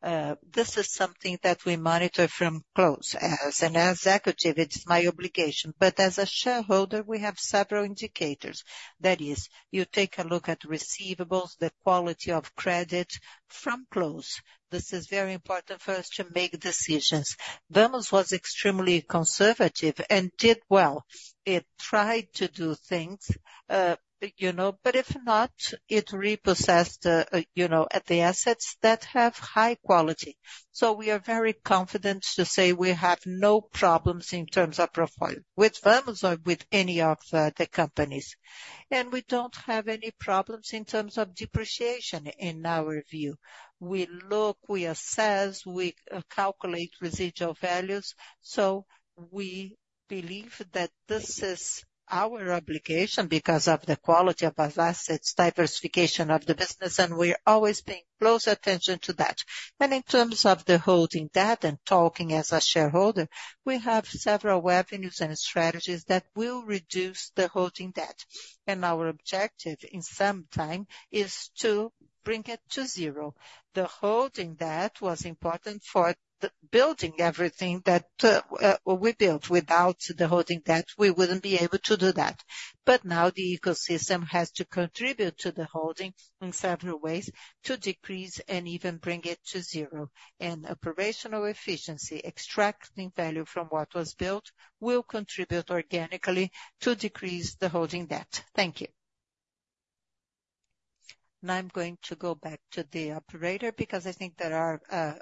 This is something that we monitor closely. As an executive, it's my obligation, but as a shareholder, we have several indicators. That is, you take a look at receivables, the quality of credit, closely. This is very important for us to make decisions. Vamos was extremely conservative and did well. It tried to do things, you know, but if not, it repossessed, you know, at the assets that have high quality. So we are very confident to say we have no problems in terms of profile with Vamos or with any of the companies. And we don't have any problems in terms of depreciation, in our view. We look, we assess, we calculate residual values, so we believe that this is our obligation because of the quality of our assets, diversification of the business, and we're always paying close attention to that. And in terms of the holding debt and talking as a shareholder, we have several avenues and strategies that will reduce the holding debt. And our objective, in some time, is to bring it to zero. The holding debt was important for the building everything that we built. Without the holding debt, we wouldn't be able to do that. But now the ecosystem has to contribute to the holding in several ways to decrease and even bring it to zero. And operational efficiency, extracting value from what was built, will contribute organically to decrease the holding debt. Thank you. Now I'm going to go back to the operator, because I think there are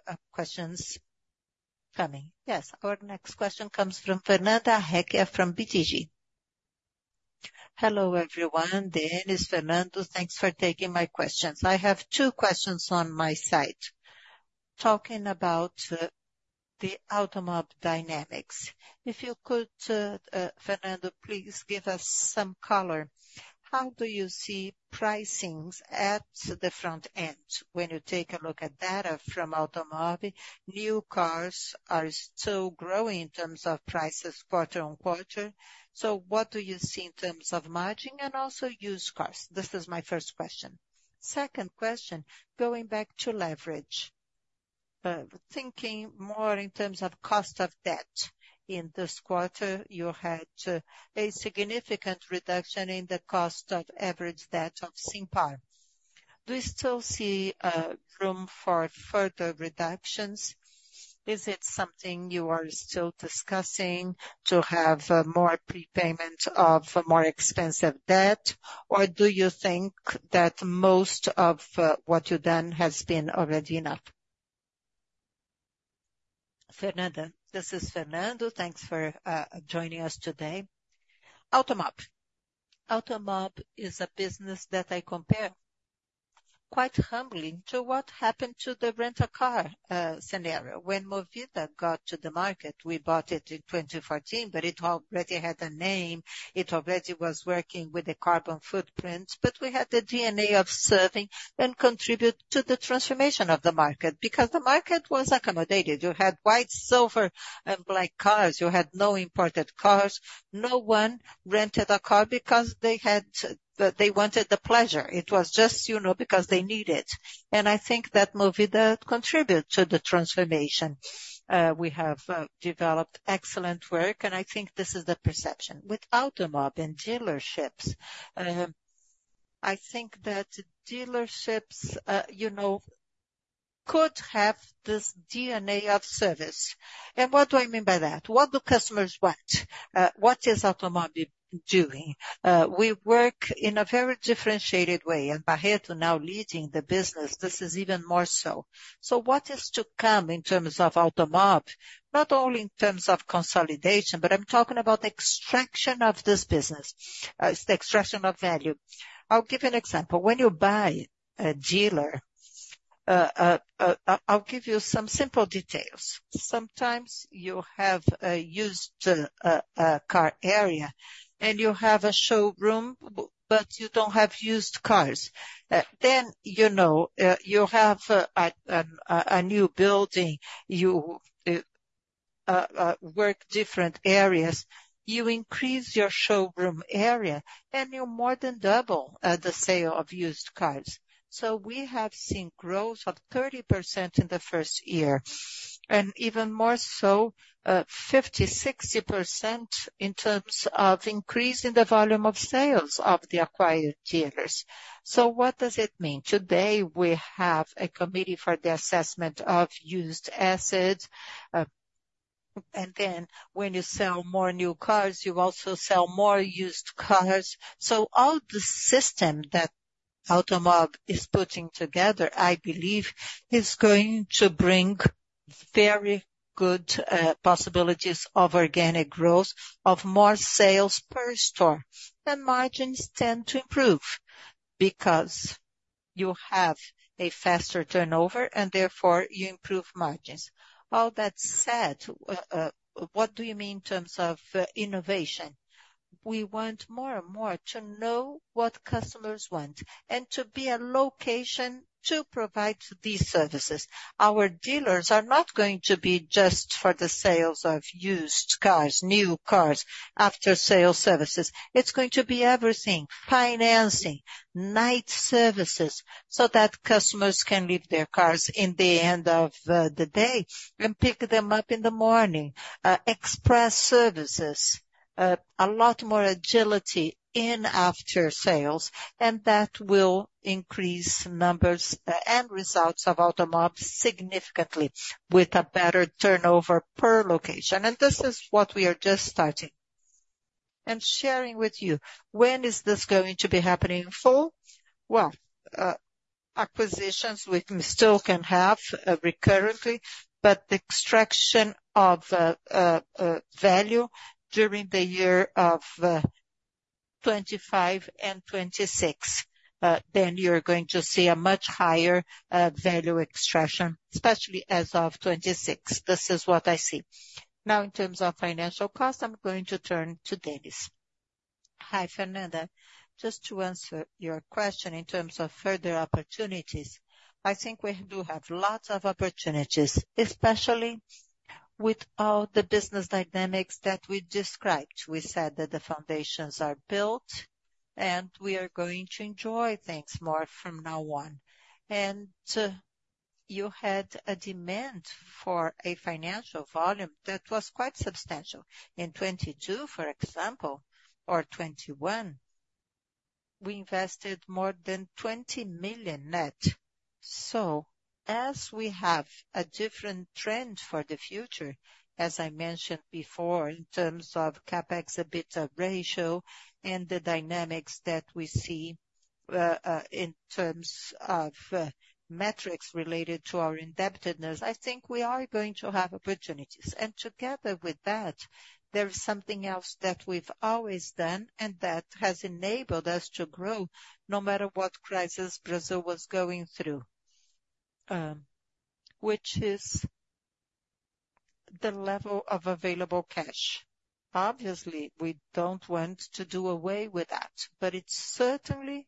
questions coming. Yes, our next question comes from Fernanda Recchia from BTG. Hello, everyone. Denys, Fernando, thanks for taking my questions. I have two questions on my side. Talking about the Automob dynamics, if you could, Fernando, please give us some color. How do you see pricings at the front end? When you take a look at data from Automob, new cars are still growing in terms of prices quarter on quarter. So what do you see in terms of margin and also used cars? This is my first question. Second question, going back to leverage. Thinking more in terms of cost of debt. In this quarter, you had a significant reduction in the cost of average debt of Simpar. Do you still see room for further reductions? Is it something you are still discussing to have more prepayment of more expensive debt, or do you think that most of what you've done has been already enough? Fernanda, this is Fernando. Thanks for joining us today. Automob. Automob is a business that I compare quite humbling to what happened to the rental car scenario. When Movida got to the market, we bought it in 2014, but it already had a name, it already was working with a carbon footprint, but we had the DNA of serving and contribute to the transformation of the market, because the market was accommodated. You had white, silver, and black cars. You had no imported cars. No one rented a car because they had to, they wanted the pleasure. It was just, you know, because they need it. And I think that Movida contributed to the transformation. We have developed excellent work, and I think this is the perception. With Automob and dealerships, I think that dealerships, you know, could have this DNA of service. And what do I mean by that? What do customers want? What is Automob doing? We work in a very differentiated way, and Barreto now leading the business, this is even more so. So what is to come in terms of Automob, not only in terms of consolidation, but I'm talking about extraction of this business, it's the extraction of value. I'll give you an example. When you buy a dealer, I'll give you some simple details. Sometimes you have a used car area, and you have a showroom, but you don't have used cars. Then, you know, you have a new building, you work different areas, you increase your showroom area, and you more than double the sale of used cars. So we have seen growth of 30% in the first year, and even more so, 50, 60% in terms of increase in the volume of sales of the acquired dealers. So what does it mean? Today, we have a committee for the assessment of used assets. And then when you sell more new cars, you also sell more used cars. So all the system that Automob is putting together, I believe, is going to bring very good possibilities of organic growth, of more sales per store. And margins tend to improve, because you have a faster turnover, and therefore, you improve margins. All that said, what do you mean in terms of, innovation?... we want more and more to know what customers want, and to be a location to provide these services. Our dealers are not going to be just for the sales of used cars, new cars, after-sale services. It's going to be everything, financing, night services, so that customers can leave their cars in the end of the day and pick them up in the morning. Express services, a lot more agility in after sales, and that will increase numbers and results of Automob significantly, with a better turnover per location. And this is what we are just starting and sharing with you. When is this going to be happening in full? Well, acquisitions we still can have recurrently, but the extraction of value during the year of 2025 and 2026. Then you're going to see a much higher value extraction, especially as of 2026. This is what I see. Now, in terms of financial cost, I'm going to turn to Denys. Hi, Fernanda. Just to answer your question in terms of further opportunities, I think we do have lots of opportunities, especially with all the business dynamics that we described. We said that the foundations are built, and we are going to enjoy things more from now on. And, you had a demand for a financial volume that was quite substantial. In 2022, for example, or 2021, we invested more than 20 million net. So as we have a different trend for the future, as I mentioned before, in terms of CapEx to EBITDA ratio and the dynamics that we see, in terms of metrics related to our indebtedness, I think we are going to have opportunities. Together with that, there is something else that we've always done, and that has enabled us to grow, no matter what crisis Brazil was going through, which is the level of available cash. Obviously, we don't want to do away with that, but it certainly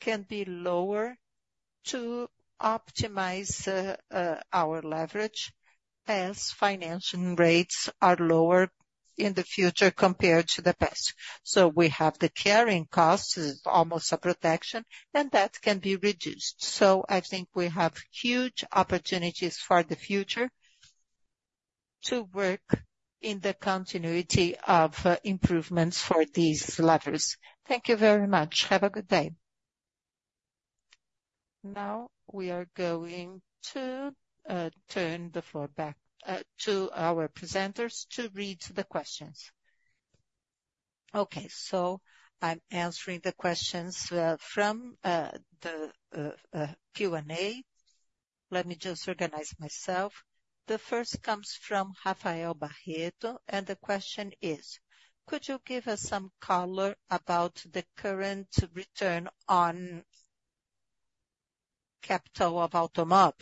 can be lower to optimize our leverage as financing rates are lower in the future compared to the past. So we have the carrying cost, is almost a protection, and that can be reduced. So I think we have huge opportunities for the future to work in the continuity of improvements for these levers. Thank you very much. Have a good day. Now, we are going to turn the floor back to our presenters to read the questions. Okay, so I'm answering the questions from the Q&A. Let me just organize myself. The first comes from Rafael Barreto, and the question is: could you give us some color about the current return on capital of Automob?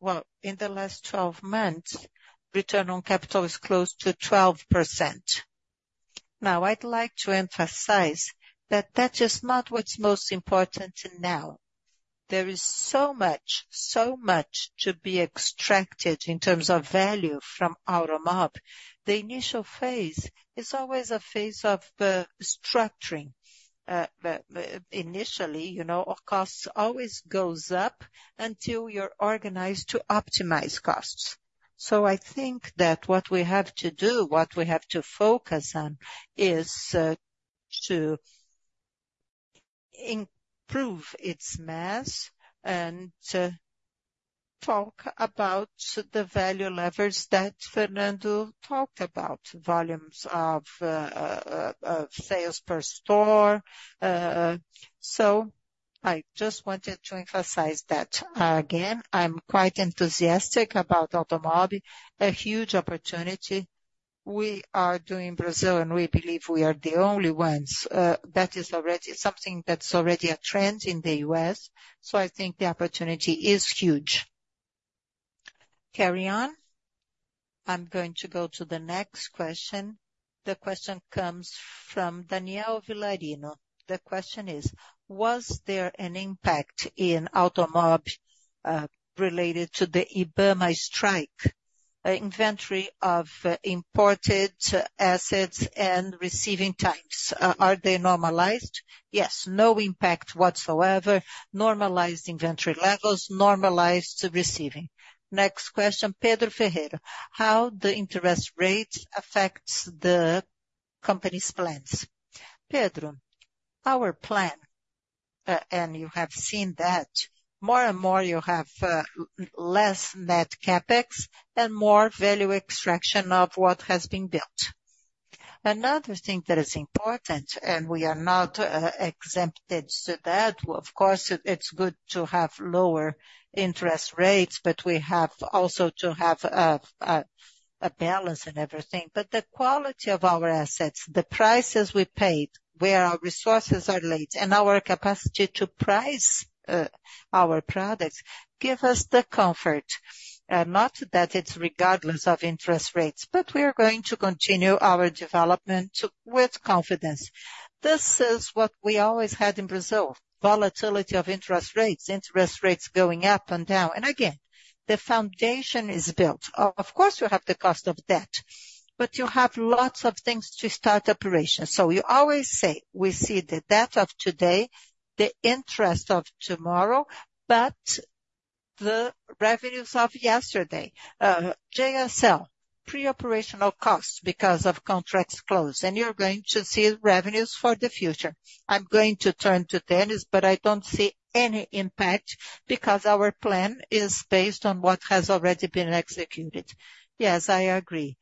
Well, in the last 12 months, return on capital is close to 12%. Now, I'd like to emphasize that that is not what's most important now. There is so much, so much to be extracted in terms of value from Automob. The initial phase is always a phase of structuring. Initially, you know, our costs always goes up until you're organized to optimize costs. So I think that what we have to do, what we have to focus on, is to improve its mass and talk about the value levers that Fernando talked about, volumes of sales per store. So I just wanted to emphasize that. Again, I'm quite enthusiastic about Automob, a huge opportunity. We are doing Brazil, and we believe we are the only ones. That is already something that's already a trend in the U.S., so I think the opportunity is huge. Carry on. I'm going to go to the next question. The question comes from Daniel Vilarinho. The question is: was there an impact in Automob related to the IBAMA strike? Inventory of imported assets and receiving times, are they normalized? Yes, no impact whatsoever. Normalized inventory levels, normalized receiving. Next question, Pedro Ferreira: how the interest rates affects the company's plans? Pedro, our plan, and you have seen that more and more, you have less net CapEx and more value extraction of what has been built.... Another thing that is important, and we are not exempted to that, of course. It's good to have lower interest rates, but we have also to have a balance in everything. But the quality of our assets, the prices we paid, where our resources are laid, and our capacity to price our products, give us the comfort. Not that it's regardless of interest rates, but we are going to continue our development with confidence. This is what we always had in Brazil, volatility of interest rates, interest rates going up and down. And again, the foundation is built. Of course, you have the cost of debt, but you have lots of things to start operations. So we always say we see the debt of today, the interest of tomorrow, but the revenues of yesterday. JSL, pre-operational costs because of contracts closed, and you're going to see revenues for the future. I'm going to turn to Denys, but I don't see any impact because our plan is based on what has already been executed. Yes, I agree.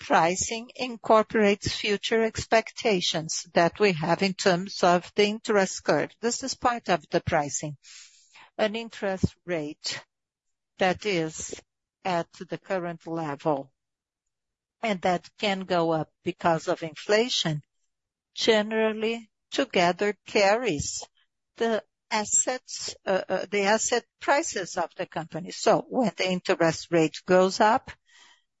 Pricing incorporates future expectations that we have in terms of the interest curve. This is part of the pricing. An interest rate that is at the current level, and that can go up because of inflation, generally together carries the assets, the asset prices of the company. So when the interest rate goes up,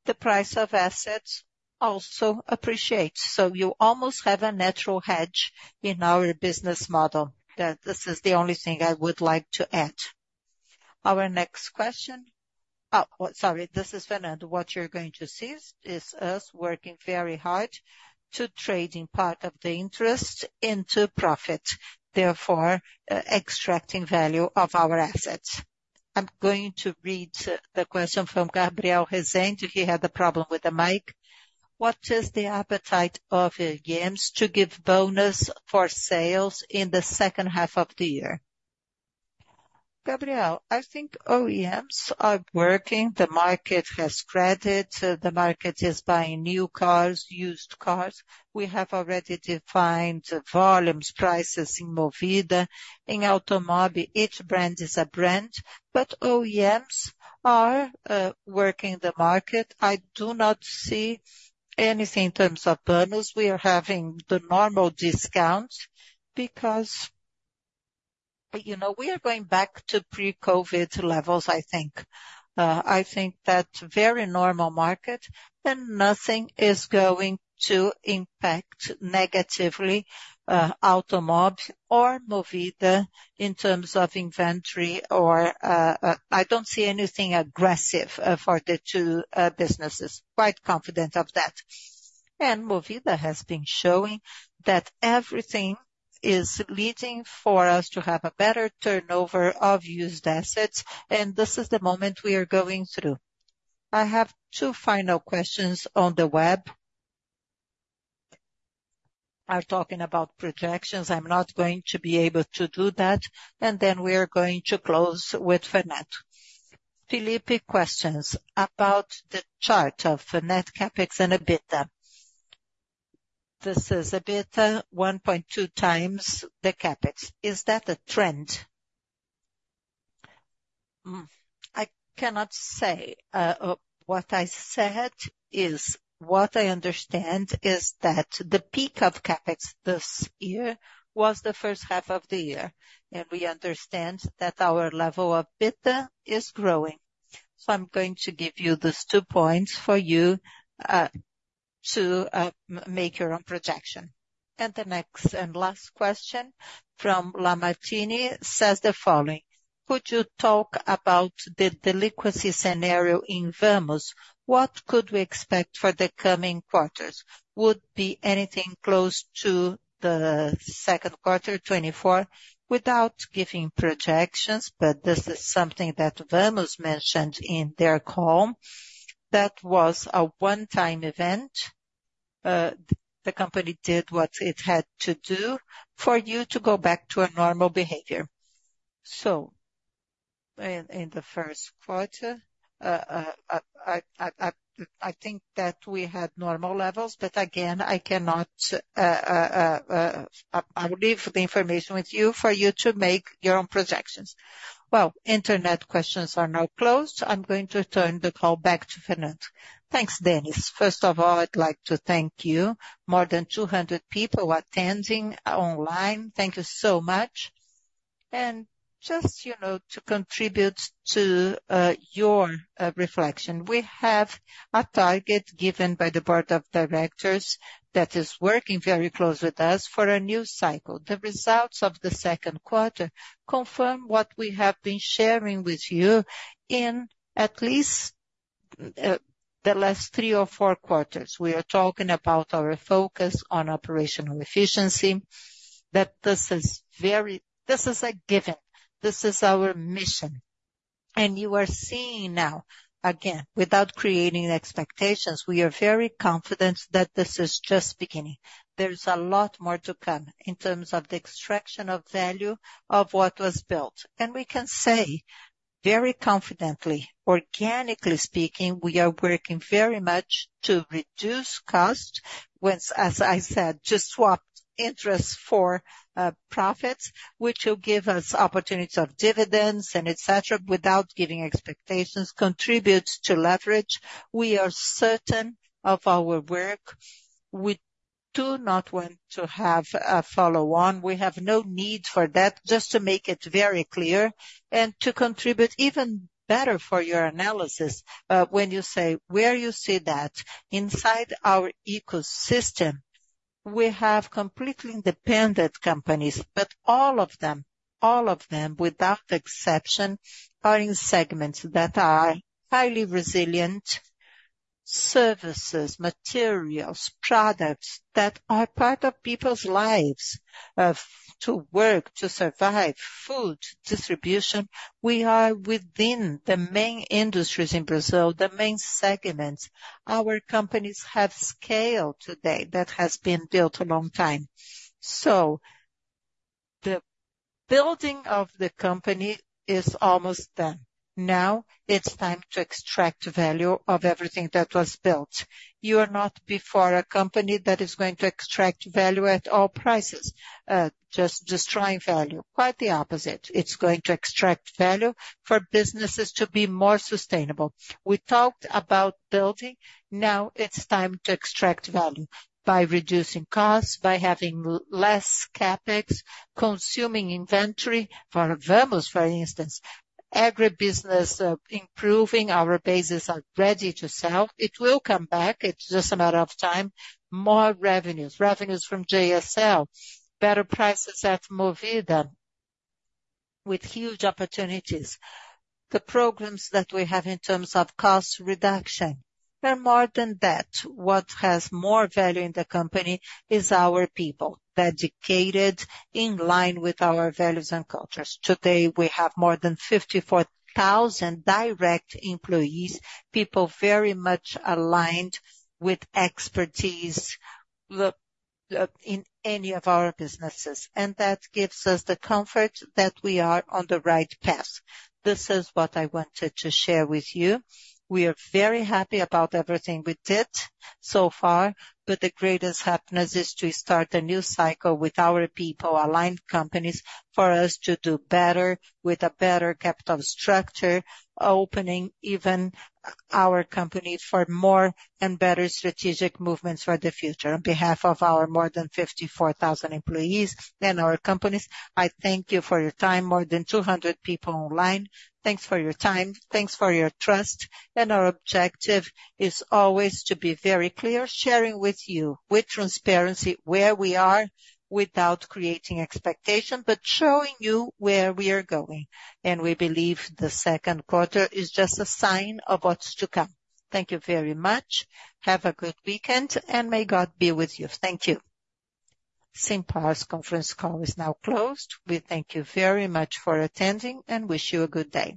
the price of assets also appreciates. So you almost have a natural hedge in our business model. This is the only thing I would like to add. Our next question - Oh, sorry, this is Fernando. What you're going to see is us working very hard to trade in part of the interest into profit, therefore, extracting value of our assets. I'm going to read the question from Gabriel Rezende. He had a problem with the mic. "What is the appetite of OEMs to give bonus for sales in the second half of the year?" Gabriel, I think OEMs are working. The market has credit. The market is buying new cars, used cars. We have already defined volumes, prices in Movida. In Automob, each brand is a brand, but OEMs are working the market. I do not see anything in terms of bonus. We are having the normal discounts because, you know, we are going back to pre-COVID levels, I think. I think that's very normal market and nothing is going to impact negatively, Automob or Movida in terms of inventory or... I don't see anything aggressive, for the two businesses. Quite confident of that. Movida has been showing that everything is leading for us to have a better turnover of used assets, and this is the moment we are going through. I have two final questions on the web. They're talking about projections. I'm not going to be able to do that. Then we are going to close with Fernando. Felipe questions: about the chart of net CapEx and EBITDA. This is EBITDA, 1.2x the CapEx. Is that a trend? Mm, I cannot say. What I said is, what I understand is that the peak of CapEx this year was the first half of the year, and we understand that our level of EBITDA is growing. So I'm going to give you these two points for you to make your own projection. And the next and last question from Lamartine says the following: "Could you talk about the delinquency scenario in Vamos? What could we expect for the coming quarters? Would be anything close to the second quarter, 2024?" Without giving projections, but this is something that Vamos mentioned in their call. That was a one-time event. The company did what it had to do for you to go back to a normal behavior. So in the first quarter, I think that we had normal levels, but again, I cannot. I'll leave the information with you for you to make your own projections. Well, internet questions are now closed. I'm going to turn the call back to Fernando. Thanks, Denys. First of all, I'd like to thank you. More than 200 people attending online. Thank you so much. And just, you know, to contribute to your reflection, we have a target given by the board of directors that is working very close with us for a new cycle. The results of the second quarter confirm what we have been sharing with you in at least the last three or four quarters. We are talking about our focus on operational efficiency, that this is very, this is a given, this is our mission. You are seeing now, again, without creating expectations, we are very confident that this is just beginning. There's a lot more to come in terms of the extraction of value of what was built. Very confidently, organically speaking, we are working very much to reduce cost, which, as I said, to swap interest for profits, which will give us opportunities of dividends and et cetera, without giving expectations, contributes to leverage. We are certain of our work. We do not want to have a follow-on. We have no need for that, just to make it very clear. To contribute even better for your analysis, when you say, where you see that? Inside our ecosystem, we have completely independent companies, but all of them, all of them, without exception, are in segments that are highly resilient: services, materials, products that are part of people's lives, to work, to survive, food, distribution. We are within the main industries in Brazil, the main segments. Our companies have scale today that has been built a long time. So the building of the company is almost done. Now it's time to extract value of everything that was built. You are not before a company that is going to extract value at all prices, just destroying value. Quite the opposite. It's going to extract value for businesses to be more sustainable. We talked about building, now it's time to extract value by reducing costs, by having less CapEx, consuming inventory. For Vamos, for instance, agribusiness, improving our bases are ready to sell. It will come back, it's just a matter of time. More revenues, revenues from JSL, better prices at Movida, with huge opportunities. The programs that we have in terms of cost reduction, but more than that, what has more value in the company is our people, dedicated, in line with our values and cultures. Today, we have more than 54,000 direct employees, people very much aligned with expertise in any of our businesses, and that gives us the comfort that we are on the right path. This is what I wanted to share with you. We are very happy about everything we did so far, but the greatest happiness is to start a new cycle with our people, aligned companies, for us to do better with a better capital structure, opening even our companies for more and better strategic movements for the future. On behalf of our more than 54,000 employees and our companies, I thank you for your time. More than 200 people online, thanks for your time, thanks for your trust, and our objective is always to be very clear, sharing with you, with transparency, where we are, without creating expectation, but showing you where we are going. We believe the second quarter is just a sign of what's to come. Thank you very much. Have a good weekend, and may God be with you. Thank you! Simpar conference call is now closed. We thank you very much for attending, and wish you a good day.